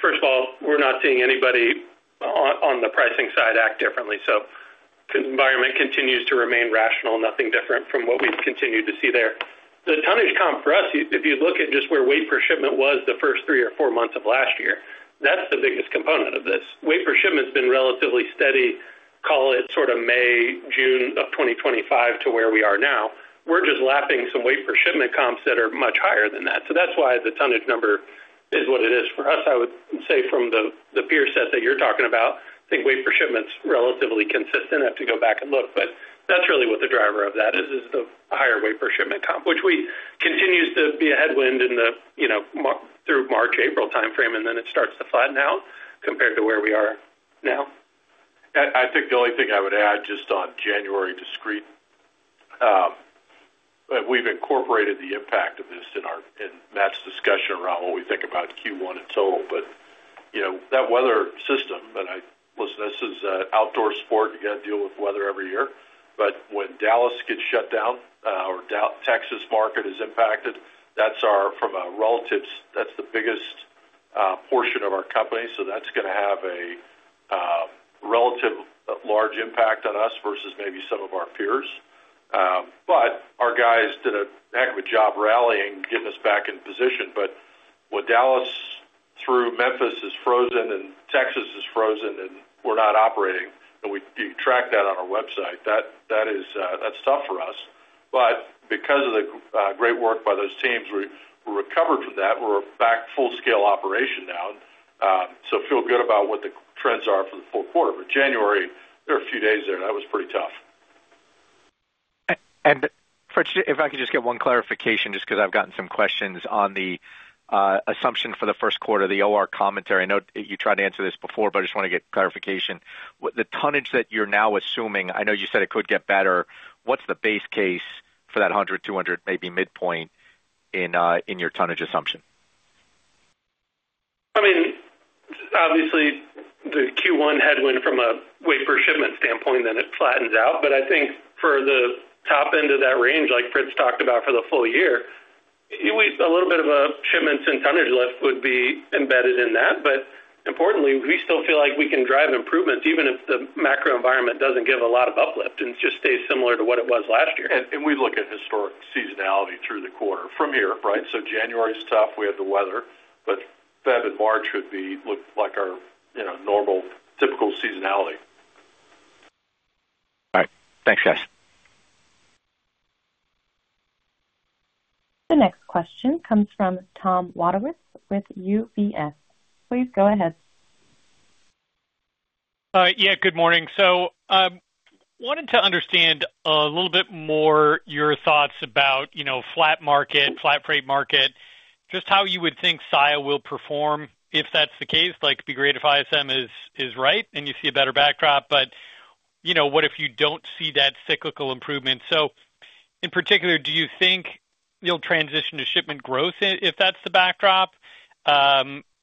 first of all, we're not seeing anybody on the pricing side act differently. So the environment continues to remain rational, nothing different from what we've continued to see there. The tonnage comp for us, if you look at just where weight per shipment was the first three or four months of last year, that's the biggest component of this. Weight per shipment's been relatively steady, call it sort of May, June of 2025 to where we are now. We're just lapping some weight per shipment comps that are much higher than that. So that's why the tonnage number is what it is for us. I would say from the peer set that you're talking about, I think weight per shipment's relatively consistent. I have to go back and look. That's really what the driver of that is, is the higher weight per shipment comp, which continues to be a headwind through March, April timeframe. Then it starts to flatten out compared to where we are now. I think the only thing I would add just on January discrete. We've incorporated the impact of this in Matt's discussion around what we think about Q1 in total. But that weather system, and listen, this is outdoor sport. You got to deal with weather every year. But when Dallas gets shut down or Texas market is impacted, that's from a relative that's the biggest portion of our company. So that's going to have a relatively large impact on us versus maybe some of our peers. But our guys did a heck of a job rallying, getting us back in position. But when Dallas through Memphis is frozen and Texas is frozen and we're not operating, and you track that on our website, that's tough for us. But because of the great work by those teams, we recovered from that. We're back full-scale operation now. So feel good about what the trends are for the full quarter. But January, there were a few days there. That was pretty tough. And Fritz, if I could just get one clarification just because I've gotten some questions on the assumption for the first quarter, the OR commentary. I know you tried to answer this before, but I just want to get clarification. The tonnage that you're now assuming, I know you said it could get better. What's the base case for that 100, 200, maybe midpoint in your tonnage assumption? I mean, obviously, the Q1 headwind from a weight per shipment standpoint, then it flattens out. But I think for the top end of that range, like Fritz talked about for the full year, a little bit of a shipments and tonnage lift would be embedded in that. But importantly, we still feel like we can drive improvements even if the macro environment doesn't give a lot of uplift and just stays similar to what it was last year. We look at historic seasonality through the quarter from here, right? January's tough. We have the weather. February and March would look like our normal, typical seasonality. All right. Thanks, guys. The next question comes from Tom Wadewitz with UBS. Please go ahead. Yeah. Good morning. So wanted to understand a little bit more your thoughts about flat market, flat freight market, just how you would think Saia will perform if that's the case. It'd be great if ISM is right and you see a better backdrop. But what if you don't see that cyclical improvement? So in particular, do you think you'll transition to shipment growth if that's the backdrop?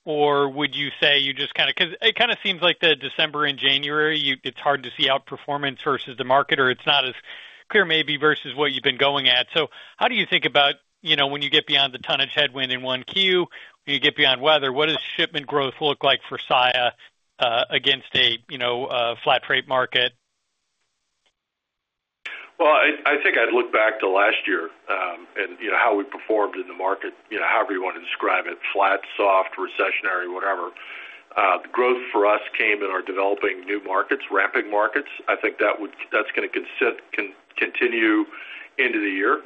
Or would you say you just kind of because it kind of seems like the December and January, it's hard to see outperformance versus the market, or it's not as clear maybe versus what you've been going at. So how do you think about when you get beyond the tonnage headwind in 1Q, when you get beyond weather? What does shipment growth look like for Saia against a flat freight market? Well, I think I'd look back to last year and how we performed in the market, however you want to describe it, flat, soft, recessionary, whatever. The growth for us came in our developing new markets, ramping markets. I think that's going to continue into the year,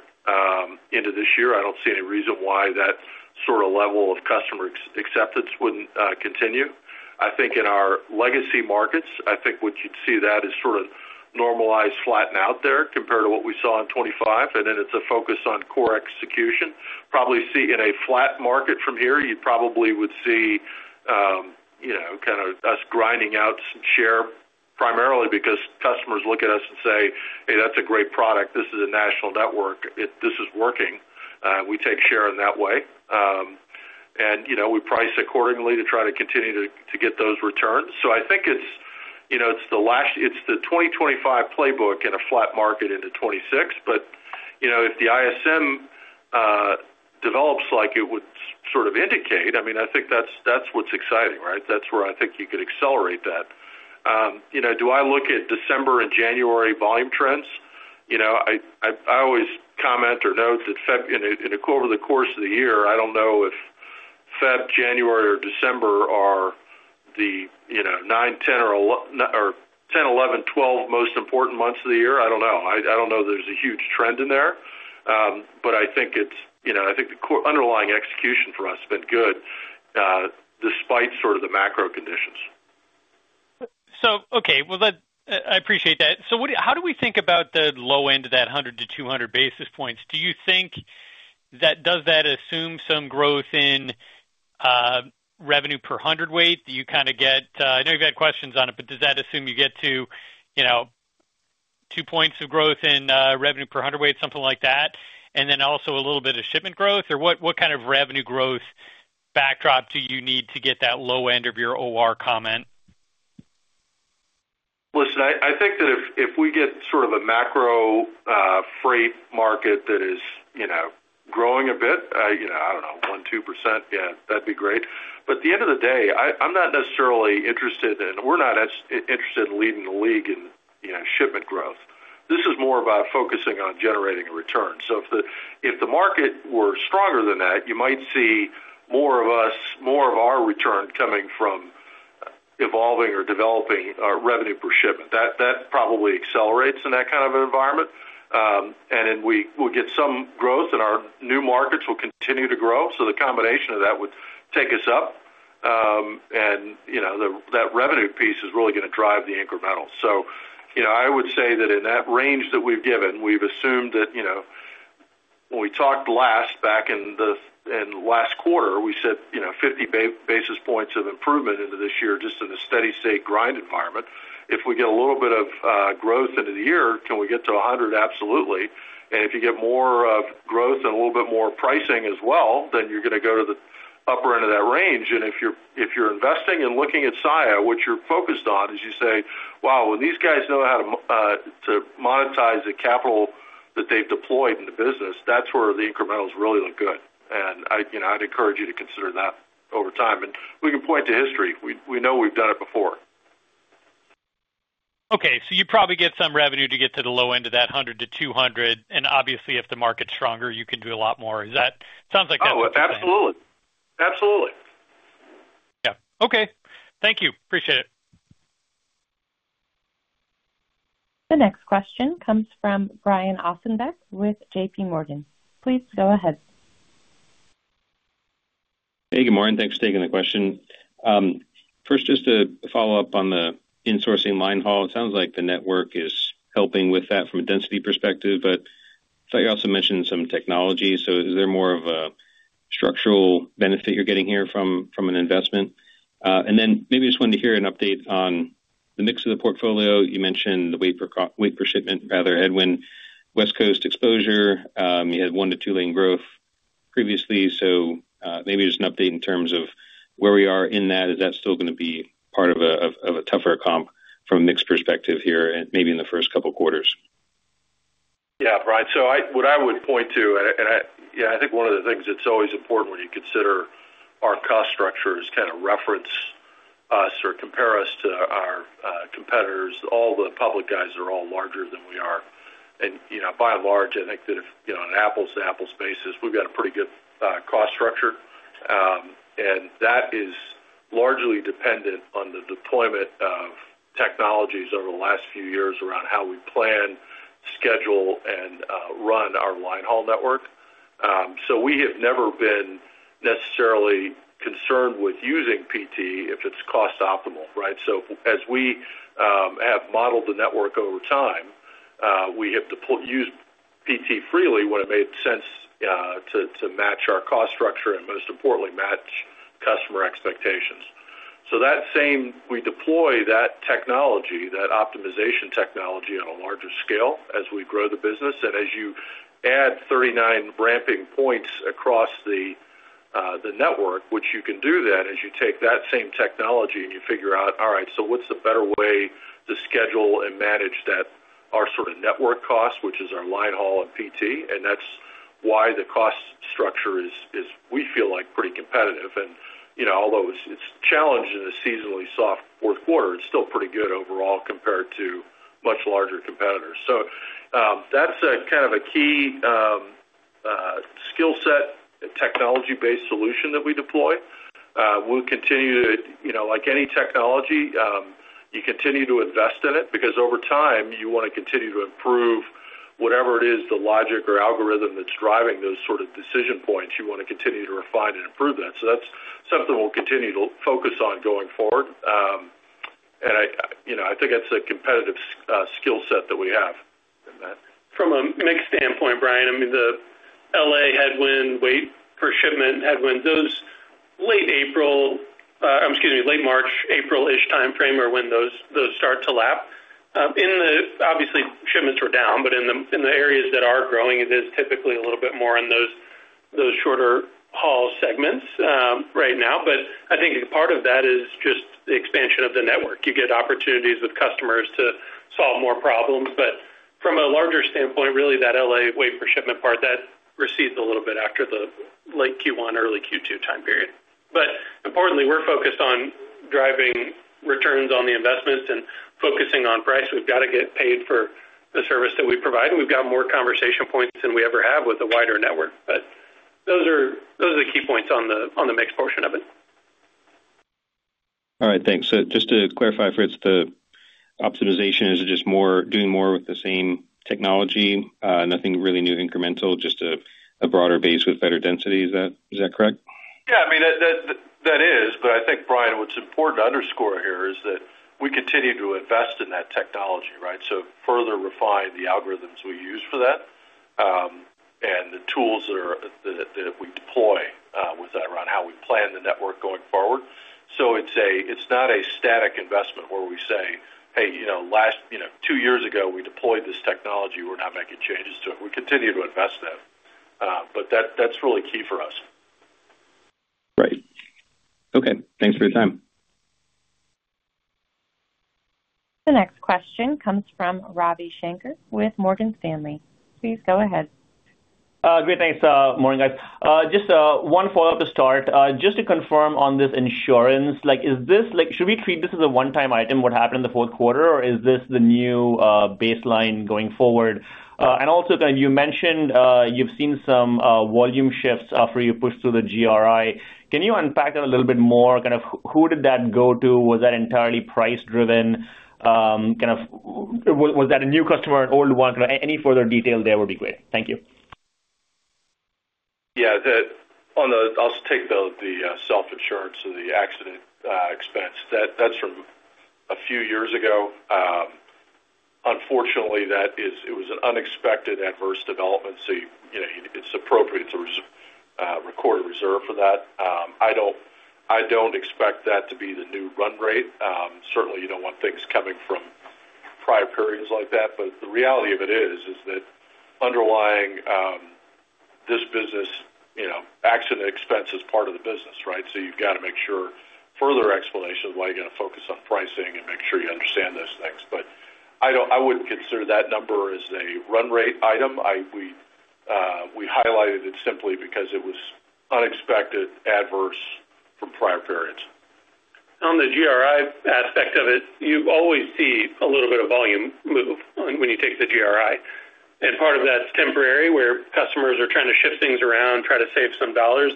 into this year. I don't see any reason why that sort of level of customer acceptance wouldn't continue. I think in our legacy markets, I think what you'd see that is sort of normalized, flatten out there compared to what we saw in 2025. And then it's a focus on core execution. Probably see in a flat market from here, you probably would see kind of us grinding out some share primarily because customers look at us and say, "Hey, that's a great product. This is a national network. This is working." We take share in that way. We price accordingly to try to continue to get those returns. So I think it's the last; it's the 2025 playbook in a flat market into 2026. But if the ISM develops like it would sort of indicate, I mean, I think that's what's exciting, right? That's where I think you could accelerate that. Do I look at December and January volume trends? I always comment or note that in the course of the year. I don't know if February, January, or December are the nine, 10, or 10, 11, 12 most important months of the year. I don't know. I don't know that there's a huge trend in there. But I think it's; I think the underlying execution for us has been good despite sort of the macro conditions. So okay. Well, I appreciate that. So how do we think about the low end of that 100-200 basis points? Do you think that does that assume some growth in revenue per 100 weight that you kind of get? I know you've had questions on it, but does that assume you get to two points of growth in revenue per 100 weight, something like that? And then also a little bit of shipment growth? Or what kind of revenue growth backdrop do you need to get that low end of your OR comment? Listen, I think that if we get sort of a macro freight market that is growing a bit, I don't know, 1%-2%, yeah, that'd be great. But at the end of the day, I'm not necessarily interested in we're not interested in leading the league in shipment growth. This is more about focusing on generating a return. So if the market were stronger than that, you might see more of us, more of our return coming from evolving or developing revenue per shipment. That probably accelerates in that kind of an environment. And then we'll get some growth, and our new markets will continue to grow. So the combination of that would take us up. And that revenue piece is really going to drive the incremental. So I would say that in that range that we've given, we've assumed that when we talked last back in the last quarter, we said 50 basis points of improvement into this year just in a steady state grind environment. If we get a little bit of growth into the year, can we get to 100? Absolutely. And if you get more of growth and a little bit more pricing as well, then you're going to go to the upper end of that range. And if you're investing and looking at Saia, what you're focused on is you say, "Wow, when these guys know how to monetize the capital that they've deployed in the business, that's where the incrementals really look good." And I'd encourage you to consider that over time. And we can point to history. We know we've done it before. Okay. So you probably get some revenue to get to the low end of that 100-200. And obviously, if the market's stronger, you can do a lot more. It sounds like that's what you're saying. Oh, absolutely. Absolutely. Yeah. Okay. Thank you. Appreciate it. The next question comes from Brian Ossenbeck with JPMorgan. Please go ahead. Hey. Good morning. Thanks for taking the question. First, just to follow up on the insourcing linehaul, it sounds like the network is helping with that from a density perspective. But I thought you also mentioned some technology. So is there more of a structural benefit you're getting here from an investment? And then maybe I just wanted to hear an update on the mix of the portfolio. You mentioned the weight per shipment, rather headwind, West Coast exposure. You had one- to two-lane growth previously. So maybe just an update in terms of where we are in that. Is that still going to be part of a tougher comp from a mixed perspective here maybe in the first couple of quarters? Yeah, Brian. So what I would point to, and I think one of the things that's always important when you consider our cost structure is kind of reference us or compare us to our competitors. All the public guys are all larger than we are. And by and large, I think that on an apples-to-apples basis, we've got a pretty good cost structure. And that is largely dependent on the deployment of technologies over the last few years around how we plan, schedule, and run our linehaul network. So we have never been necessarily concerned with using PT if it's cost-optimal, right? So as we have modeled the network over time, we have used PT freely when it made sense to match our cost structure and most importantly, match customer expectations. So we deploy that technology, that optimization technology on a larger scale as we grow the business. As you add 39 ramping points across the network, which you can do that as you take that same technology and you figure out, "All right. So what's the better way to schedule and manage our sort of network cost, which is our linehaul and PT?" That's why the cost structure is, we feel like, pretty competitive. Although it's challenged in a seasonally soft fourth quarter, it's still pretty good overall compared to much larger competitors. That's kind of a key skill set, technology-based solution that we deploy. We'll continue to, like any technology, you continue to invest in it because over time, you want to continue to improve whatever it is, the logic or algorithm that's driving those sort of decision points. You want to continue to refine and improve that. That's something we'll continue to focus on going forward. I think it's a competitive skill set that we have in that. From a mixed standpoint, Brian, I mean, the L.A. headwind, weight per shipment headwind, those late April—excuse me—late March, April-ish timeframe are when those start to lap. Obviously, shipments were down. But in the areas that are growing, it is typically a little bit more in those shorter haul segments right now. But I think part of that is just the expansion of the network. You get opportunities with customers to solve more problems. But from a larger standpoint, really, that L.A. weight per shipment part, that recedes a little bit after the late Q1, early Q2 time period. But importantly, we're focused on driving returns on the investments and focusing on price. We've got to get paid for the service that we provide. And we've got more conversation points than we ever have with a wider network. But those are the key points on the mixed portion of it. All right. Thanks. So just to clarify, Fritz, the optimization, is it just doing more with the same technology, nothing really new incremental, just a broader base with better density? Is that correct? Yeah. I mean, that is. But I think, Brian, what's important to underscore here is that we continue to invest in that technology, right, so further refine the algorithms we use for that and the tools that we deploy with that around how we plan the network going forward. So it's not a static investment where we say, "Hey, two years ago, we deployed this technology. We're not making changes to it." We continue to invest in it. But that's really key for us. Right. Okay. Thanks for your time. The next question comes from Ravi Shanker with Morgan Stanley. Please go ahead. Great. Thanks, Morning, guys. Just one follow-up to start. Just to confirm on this insurance, should we treat this as a one-time item, what happened in the fourth quarter, or is this the new baseline going forward? And also, kind of you mentioned you've seen some volume shifts after you pushed through the GRI. Can you unpack that a little bit more? Kind of who did that go to? Was that entirely price-driven? Kind of was that a new customer, an old one? Kind of any further detail there would be great. Thank you. Yeah. I'll take the self-insurance or the accident expense. That's from a few years ago. Unfortunately, it was an unexpected, adverse development. So it's appropriate to record a reserve for that. I don't expect that to be the new run rate. Certainly, you don't want things coming from prior periods like that. But the reality of it is that underlying this business, accident expense is part of the business, right? So you've got to make sure further explanation of why you're going to focus on pricing and make sure you understand those things. But I wouldn't consider that number as a run rate item. We highlighted it simply because it was unexpected, adverse from prior periods. On the GRI aspect of it, you always see a little bit of volume move when you take the GRI. And part of that's temporary where customers are trying to shift things around, try to save some dollars.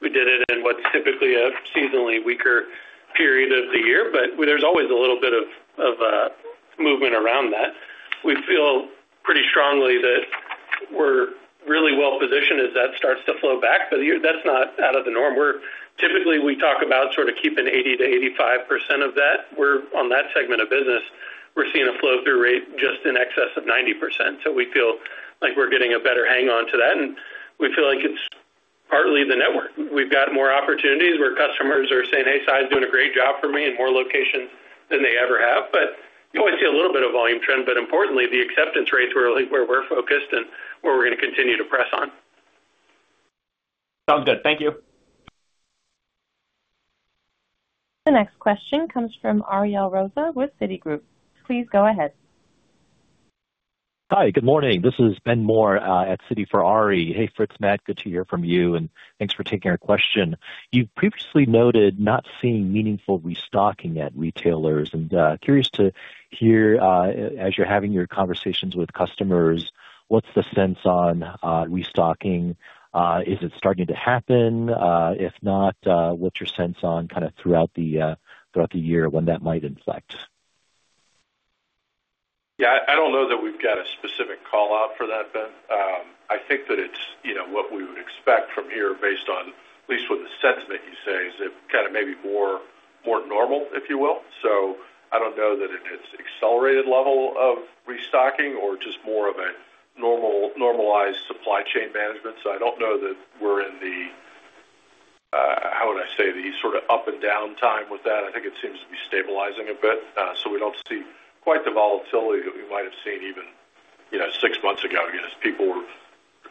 We did it in what's typically a seasonally weaker period of the year. But there's always a little bit of movement around that. We feel pretty strongly that we're really well-positioned as that starts to flow back. But that's not out of the norm. Typically, we talk about sort of keeping 80%-85% of that. On that segment of business, we're seeing a flow-through rate just in excess of 90%. So we feel like we're getting a better hang on to that. And we feel like it's partly the network. We've got more opportunities where customers are saying, "Hey, Saia is doing a great job for me in more locations than they ever have." But you always see a little bit of volume trend. But importantly, the acceptance rates where we're focused and where we're going to continue to press on. Sounds good. Thank you. The next question comes from Ariel Rosa with Citigroup. Please go ahead. Hi. Good morning. This is Ben Moore at Citi for Ari. Hey, Fritz, Matt. Good to hear from you. Thanks for taking our question. You've previously noted not seeing meaningful restocking at retailers. Curious to hear, as you're having your conversations with customers, what's the sense on restocking? Is it starting to happen? If not, what's your sense on kind of throughout the year when that might inflect? Yeah. I don't know that we've got a specific callout for that, Ben. I think that it's what we would expect from here based on at least what the sentiment you say is kind of maybe more normal, if you will. So I don't know that it's accelerated level of restocking or just more of a normalized supply chain management. So I don't know that we're in the - how would I say? - the sort of up-and-down time with that. I think it seems to be stabilizing a bit. So we don't see quite the volatility that we might have seen even six months ago against people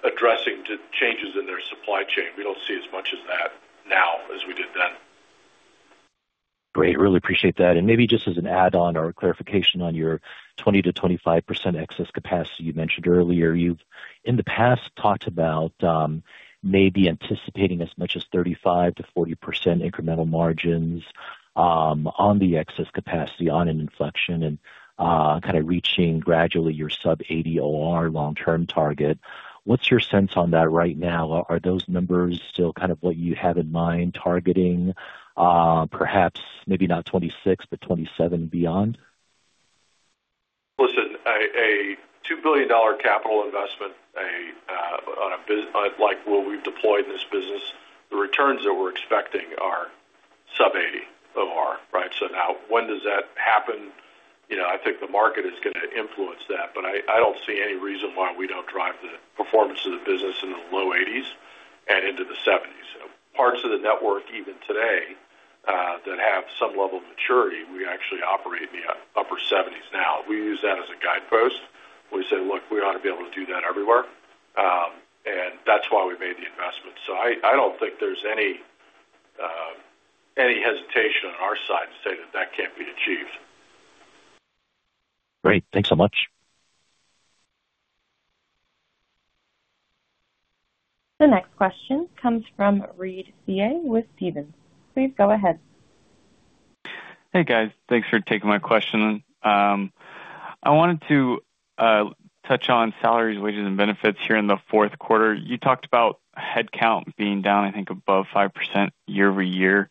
addressing changes in their supply chain. We don't see as much of that now as we did then. Great. Really appreciate that. And maybe just as an add-on or a clarification on your 20%-25% excess capacity you mentioned earlier, you've, in the past, talked about maybe anticipating as much as 35%-40% incremental margins on the excess capacity on an inflection and kind of reaching gradually your sub-80 OR long-term target. What's your sense on that right now? Are those numbers still kind of what you have in mind targeting, perhaps maybe not 2026 but 2027 and beyond? Listen, a $2 billion capital investment on a where we've deployed in this business, the returns that we're expecting are sub-80 OR, right? So now, when does that happen? I think the market is going to influence that. But I don't see any reason why we don't drive the performance of the business in the low 80s and into the 70s. Parts of the network, even today, that have some level of maturity, we actually operate in the upper 70s now. We use that as a guidepost. We say, "Look, we ought to be able to do that everywhere." And that's why we made the investment. So I don't think there's any hesitation on our side to say that that can't be achieved. Great. Thanks so much. The next question comes from Reed Seay with Stephens. Please go ahead. Hey, guys. Thanks for taking my question. I wanted to touch on salaries, wages, and benefits here in the fourth quarter. You talked about headcount being down, I think, above 5% year-over-year.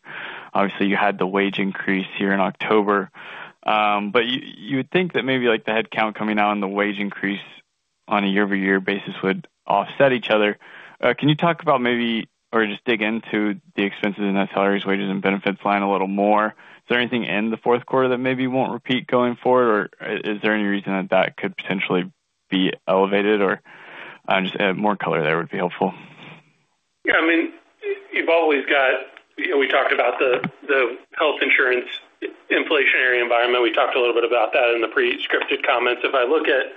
Obviously, you had the wage increase here in October. But you would think that maybe the headcount coming out and the wage increase on a year-over-year basis would offset each other. Can you talk about maybe or just dig into the expenses in that salaries, wages, and benefits line a little more? Is there anything in the fourth quarter that maybe won't repeat going forward, or is there any reason that that could potentially be elevated? Or just more color there would be helpful. Yeah. I mean, you've always got we talked about the health insurance inflationary environment. We talked a little bit about that in the pre-scripted comments. If I look at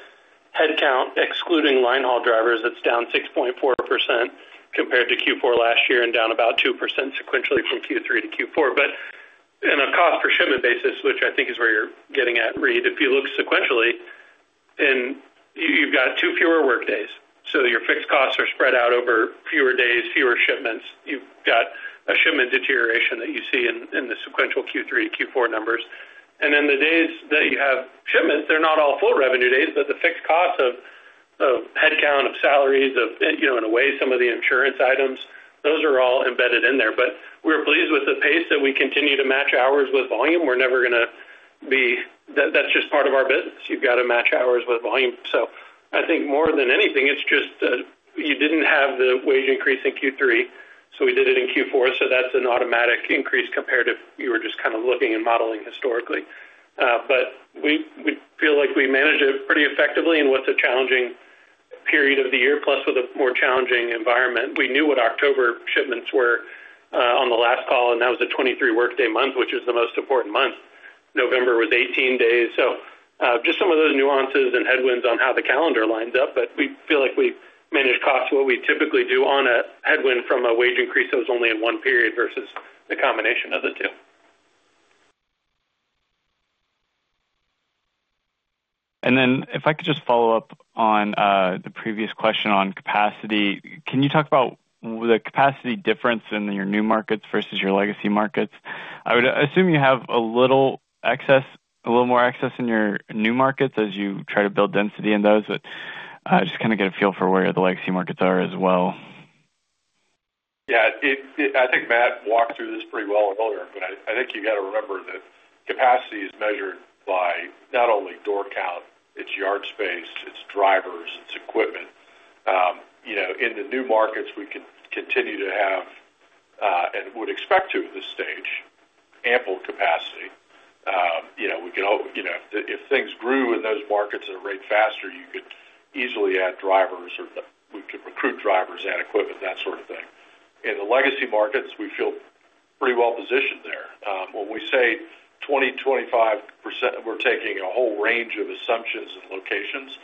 headcount excluding linehaul drivers, that's down 6.4% compared to Q4 last year and down about 2% sequentially from Q3 to Q4. But on a cost-per-shipment basis, which I think is where you're getting at, Reed, if you look sequentially, you've got 2 fewer workdays. So your fixed costs are spread out over fewer days, fewer shipments. You've got a shipment deterioration that you see in the sequential Q3, Q4 numbers. And then the days that you have shipments, they're not all full revenue days. But the fixed costs of headcount, of salaries, of, in a way, some of the insurance items, those are all embedded in there. But we're pleased with the pace that we continue to match hours with volume. We're never going to be. That's just part of our business. You've got to match hours with volume. So I think more than anything, it's just you didn't have the wage increase in Q3. So we did it in Q4. So that's an automatic increase compared to you were just kind of looking and modeling historically. But we feel like we managed it pretty effectively in what's a challenging period of the year, plus with a more challenging environment. We knew what October shipments were on the last call. And that was a 23-workday month, which is the most important month. November was 18 days. So just some of those nuances and headwinds on how the calendar lines up. But we feel like we managed costs what we typically do on a headwind from a wage increase that was only in one period versus the combination of the two. And then if I could just follow up on the previous question on capacity, can you talk about the capacity difference in your new markets versus your legacy markets? I would assume you have a little more access in your new markets as you try to build density in those, but just kind of get a feel for where the legacy markets are as well. Yeah. I think Matt walked through this pretty well earlier. But I think you've got to remember that capacity is measured by not only door count, it's yard space, it's drivers, it's equipment. In the new markets, we can continue to have and would expect to at this stage ample capacity. We can if things grew in those markets at a rate faster, you could easily add drivers, or we could recruit drivers, add equipment, that sort of thing. In the legacy markets, we feel pretty well-positioned there. When we say 20%-25%, we're taking a whole range of assumptions and locations.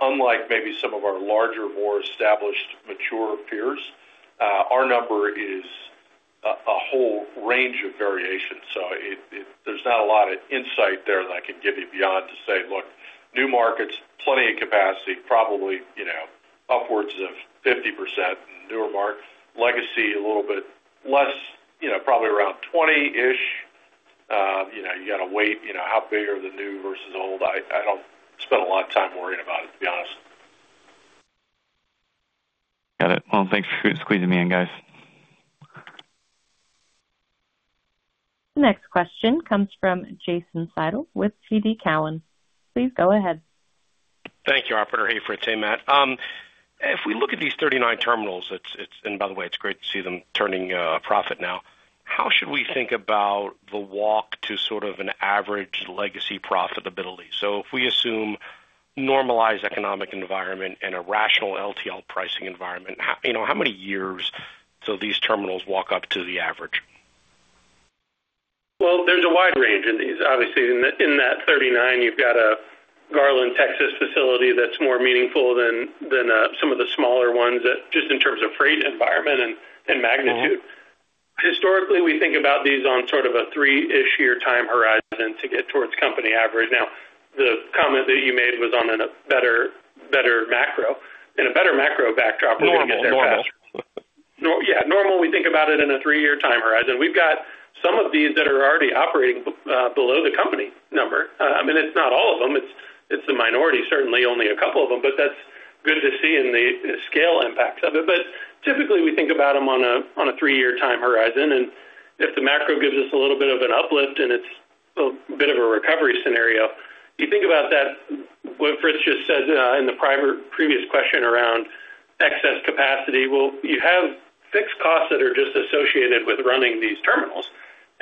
Unlike maybe some of our larger, more established, mature peers, our number is a whole range of variations. So there's not a lot of insight there that I can give you beyond to say, "Look, new markets, plenty of capacity, probably upwards of 50%," legacy, a little bit less, probably around 20-ish. You got to weigh how big are the new versus old. I don't spend a lot of time worrying about it, to be honest. Got it. Well, thanks for squeezing me in, guys. The next question comes from Jason Seidl with TD Cowen. Please go ahead. Thank you, Operator Hey, Fritz, Matt. If we look at these 39 terminals - and by the way, it's great to see them turning profit now - how should we think about the walk to sort of an average legacy profitability? So if we assume normalized economic environment and a rational LTL pricing environment, how many years till these terminals walk up to the average? Well, there's a wide range in these. Obviously, in that 39, you've got a Garland, Texas facility that's more meaningful than some of the smaller ones just in terms of freight environment and magnitude. Historically, we think about these on sort of a three-ish-year time horizon to get towards company average. Now, the comment that you made was on a better macro. In a better macro backdrop, we're going to get there faster. Normal, normal. Yeah. Normally, we think about it in a three-year time horizon. We've got some of these that are already operating below the company number. I mean, it's not all of them. It's a minority, certainly, only a couple of them. But that's good to see in the scale impacts of it. But typically, we think about them on a three-year time horizon. And if the macro gives us a little bit of an uplift and it's a bit of a recovery scenario, you think about that, what Fritz just said in the previous question around excess capacity. Well, you have fixed costs that are just associated with running these terminals.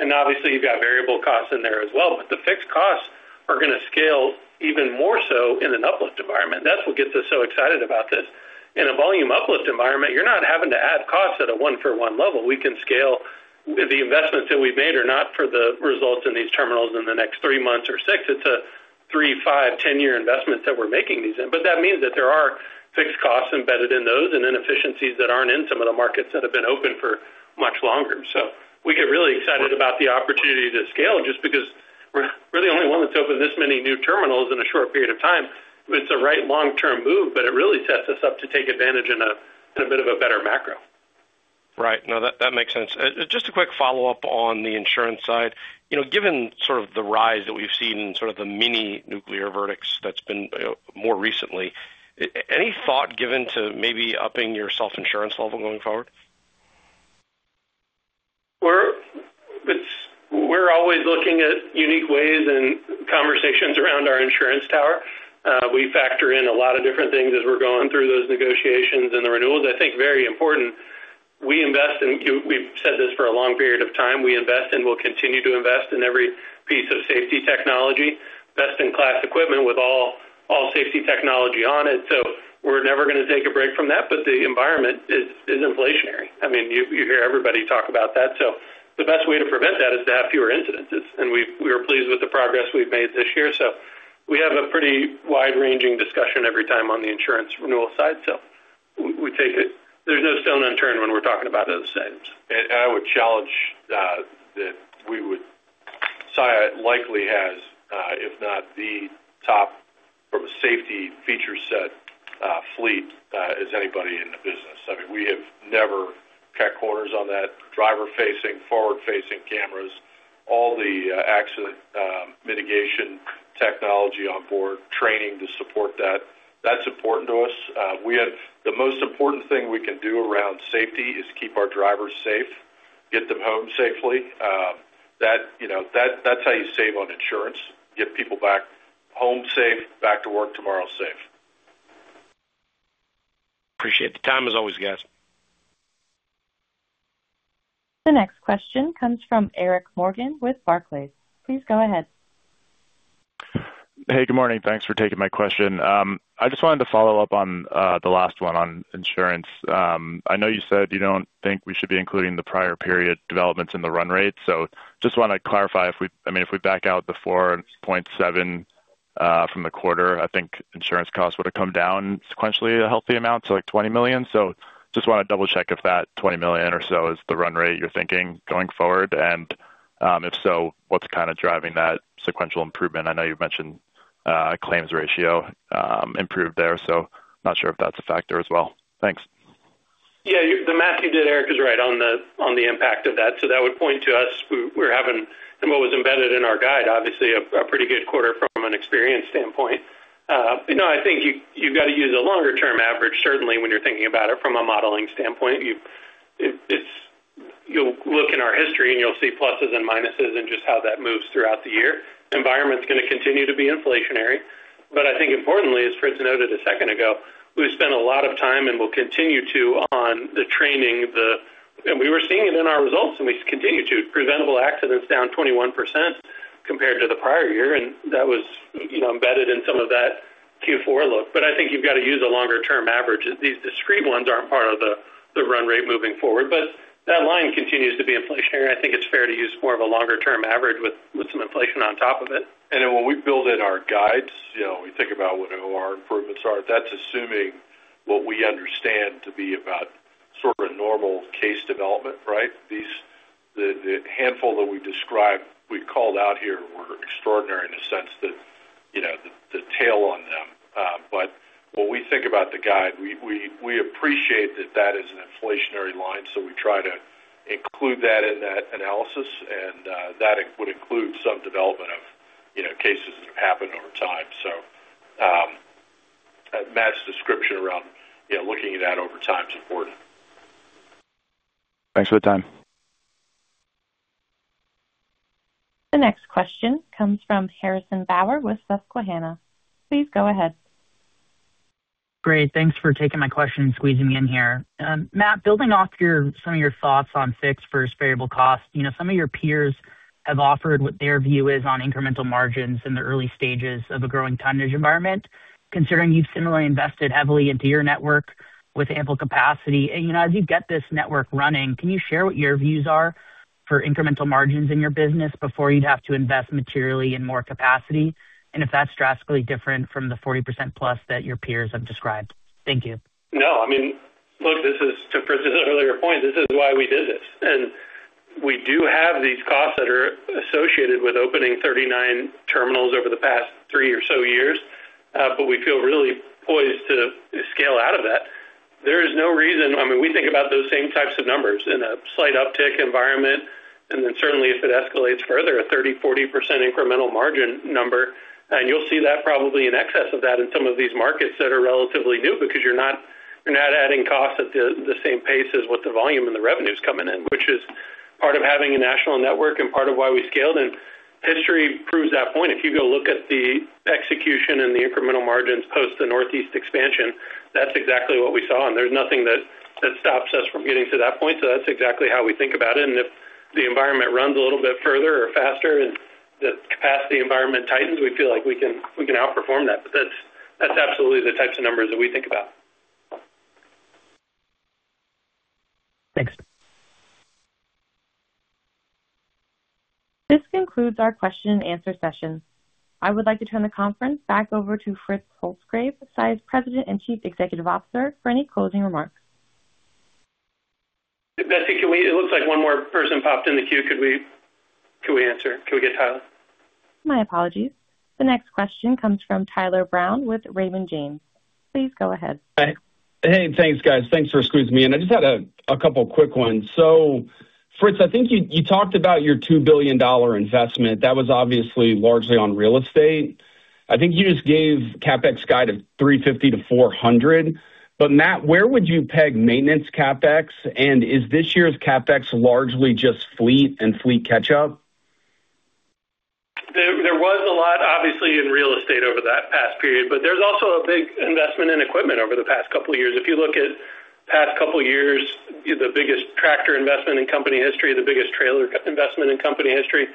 And obviously, you've got variable costs in there as well. But the fixed costs are going to scale even more so in an uplift environment. That's what gets us so excited about this. In a volume uplift environment, you're not having to add costs at a one-for-one level. We can scale the investments that we've made. They are not for the results in these terminals in the next three months or six. It's a three, five, 10-year investment that we're making these in. But that means that there are fixed costs embedded in those and inefficiencies that aren't in some of the markets that have been open for much longer. So we get really excited about the opportunity to scale just because we're really the only one that's opened this many new terminals in a short period of time. It's the right long-term move. But it really sets us up to take advantage in a bit of a better macro. Right. No, that makes sense. Just a quick follow-up on the insurance side. Given sort of the rise that we've seen in sort of the mini-nuclear verdicts that's been more recently, any thought given to maybe upping your self-insurance level going forward? We're always looking at unique ways and conversations around our insurance tower. We factor in a lot of different things as we're going through those negotiations and the renewals. I think very important, we invest in. We've said this for a long period of time. We invest and we'll continue to invest in every piece of safety technology, best-in-class equipment with all safety technology on it. So we're never going to take a break from that. But the environment is inflationary. I mean, you hear everybody talk about that. So the best way to prevent that is to have fewer incidents. And we are pleased with the progress we've made this year. So we have a pretty wide-ranging discussion every time on the insurance renewal side. So there's no stone unturned when we're talking about those things. I would challenge that Saia likely has, if not the top, from a safety feature set fleet as anybody in the business. I mean, we have never cut corners on that driver-facing, forward-facing cameras, all the accident mitigation technology on board, training to support that. That's important to us. The most important thing we can do around safety is keep our drivers safe, get them home safely. That's how you save on insurance, get people back home safe, back to work tomorrow safe. Appreciate the time, as always, guys. The next question comes from Eric Morgan with Barclays. Please go ahead. Hey, good morning. Thanks for taking my question. I just wanted to follow up on the last one on insurance. I know you said you don't think we should be including the prior period developments in the run rate. So just want to clarify if we—I mean, if we back out the $4.7 million from the quarter, I think insurance costs would have come down sequentially a healthy amount to like $20 million. So just want to double-check if that $20 million or so is the run rate you're thinking going forward. And if so, what's kind of driving that sequential improvement? I know you've mentioned claims ratio improved there. So not sure if that's a factor as well. Thanks. Yeah. The math you did, Eric, is right on the impact of that. So that would point to us. And what was embedded in our guide, obviously, a pretty good quarter from an experience standpoint. I think you've got to use a longer-term average, certainly, when you're thinking about it from a modeling standpoint. You'll look in our history, and you'll see pluses and minuses and just how that moves throughout the year. Environment's going to continue to be inflationary. But I think importantly, as Fritz noted a second ago, we've spent a lot of time and will continue to on the training. And we were seeing it in our results. And we continue to. Preventable accidents down 21% compared to the prior year. And that was embedded in some of that Q4 look. But I think you've got to use a longer-term average. These discrete ones aren't part of the run rate moving forward. But that line continues to be inflationary. I think it's fair to use more of a longer-term average with some inflation on top of it. And then when we build in our guides, we think about what OR improvements are. That's assuming what we understand to be about sort of a normal case development, right? The handful that we called out here were extraordinary in the sense that the tail on them. But when we think about the guide, we appreciate that that is an inflationary line. So we try to include that in that analysis. And that would include some development of cases that have happened over time. So Matt's description around looking at that over time is important. Thanks for the time. The next question comes from Harrison Bauer with Susquehanna. Please go ahead. Great. Thanks for taking my question and squeezing me in here. Matt, building off some of your thoughts on fixed versus variable costs, some of your peers have offered what their view is on incremental margins in the early stages of a growing tonnage environment, considering you've similarly invested heavily into your network with ample capacity. As you get this network running, can you share what your views are for incremental margins in your business before you'd have to invest materially in more capacity, and if that's drastically different from the 40% plus that your peers have described? Thank you. No. I mean, look, to Fritz's earlier point, this is why we did this. And we do have these costs that are associated with opening 39 terminals over the past three or so years. But we feel really poised to scale out of that. There is no reason I mean, we think about those same types of numbers in a slight uptick environment. And then certainly, if it escalates further, a 30%-40% incremental margin number. And you'll see that probably in excess of that in some of these markets that are relatively new because you're not adding costs at the same pace as what the volume and the revenue's coming in, which is part of having a national network and part of why we scaled. And history proves that point. If you go look at the execution and the incremental margins post the northeast expansion, that's exactly what we saw. And there's nothing that stops us from getting to that point. So that's exactly how we think about it. And if the environment runs a little bit further or faster and the capacity environment tightens, we feel like we can outperform that. But that's absolutely the types of numbers that we think about. Thanks. This concludes our question-and-answer session. I would like to turn the conference back over to Fritz Holzgrefe, Saia's President and Chief Executive Officer, for any closing remarks. Betsy, can we? It looks like one more person popped in the queue. Could we answer? Can we get Tyler? My apologies. The next question comes from Tyler Brown with Raymond James. Please go ahead. Hey. Thanks, guys. Thanks for squeezing me in. I just had a couple of quick ones. So Fritz, I think you talked about your $2 billion investment. That was obviously largely on real estate. I think you just gave CapEx guide of 350-400. But Matt, where would you peg maintenance CapEx? And is this year's CapEx largely just fleet and fleet catch-up? There was a lot, obviously, in real estate over that past period. But there's also a big investment in equipment over the past couple of years. If you look at past couple of years, the biggest tractor investment in company history, the biggest trailer investment in company history,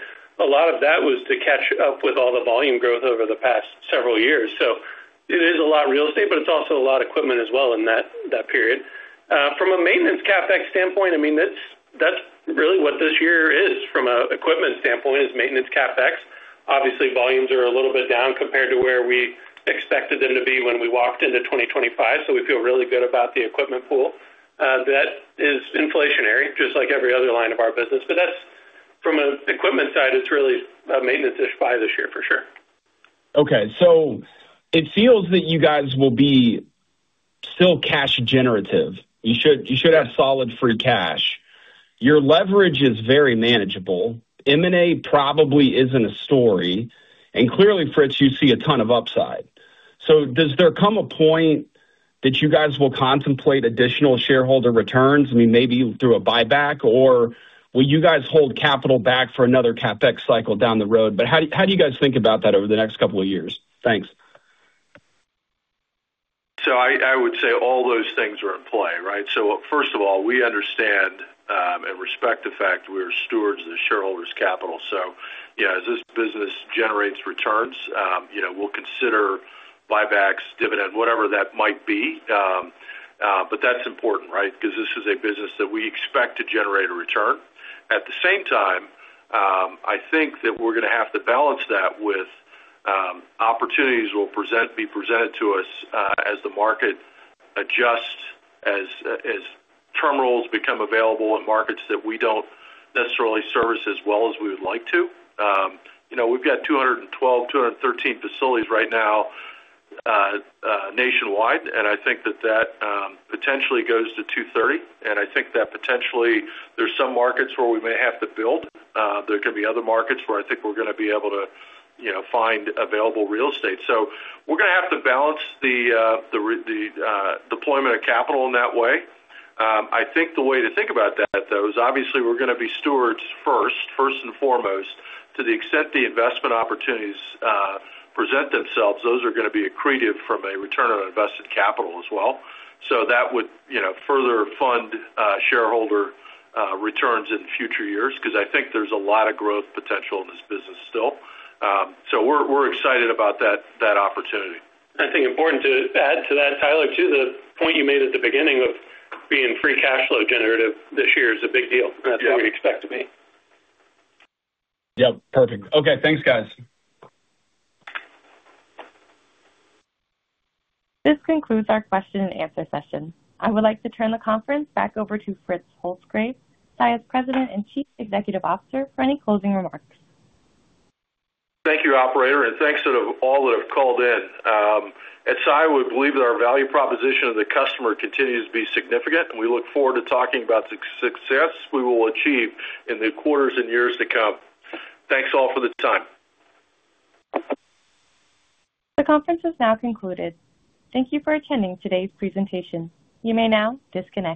a lot of that was to catch up with all the volume growth over the past several years. So it is a lot real estate, but it's also a lot equipment as well in that period. From a maintenance CapEx standpoint, I mean, that's really what this year is from an equipment standpoint, is maintenance CapEx. Obviously, volumes are a little bit down compared to where we expected them to be when we walked into 2025. So we feel really good about the equipment pool. That is inflationary, just like every other line of our business. But from an equipment side, it's really a maintenance-ish buy this year, for sure. Okay. So it feels that you guys will be still cash-generative. You should have solid free cash. Your leverage is very manageable. M&A probably isn't a story. And clearly, Fritz, you see a ton of upside. So does there come a point that you guys will contemplate additional shareholder returns, I mean, maybe through a buyback? Or will you guys hold capital back for another CapEx cycle down the road? But how do you guys think about that over the next couple of years? Thanks. So I would say all those things are in play, right? So first of all, we understand and respect the fact we are stewards of the shareholders' capital. So as this business generates returns, we'll consider buybacks, dividend, whatever that might be. But that's important, right, because this is a business that we expect to generate a return. At the same time, I think that we're going to have to balance that with opportunities that will be presented to us as the market adjusts, as terminals become available in markets that we don't necessarily service as well as we would like to. We've got 212, 213 facilities right now nationwide. And I think that that potentially goes to 230. And I think that potentially, there's some markets where we may have to build. There can be other markets where I think we're going to be able to find available real estate. So we're going to have to balance the deployment of capital in that way. I think the way to think about that, though, is obviously, we're going to be stewards first, first and foremost, to the extent the investment opportunities present themselves, those are going to be accretive from a return on invested capital as well. So that would further fund shareholder returns in future years because I think there's a lot of growth potential in this business still. So we're excited about that opportunity. I think important to add to that, Tyler, too, the point you made at the beginning of being free cash flow generative this year is a big deal. That's what we expect to be. Yep. Perfect. Okay. Thanks, guys. This concludes our question-and-answer session. I would like to turn the conference back over to Fritz Holzgrefe, Saia's President and Chief Executive Officer, for any closing remarks. Thank you, operator. Thanks to all that have called in. At Saia, we believe that our value proposition of the customer continues to be significant. We look forward to talking about the success we will achieve in the quarters and years to come. Thanks all for the time. The conference is now concluded. Thank you for attending today's presentation. You may now disconnect.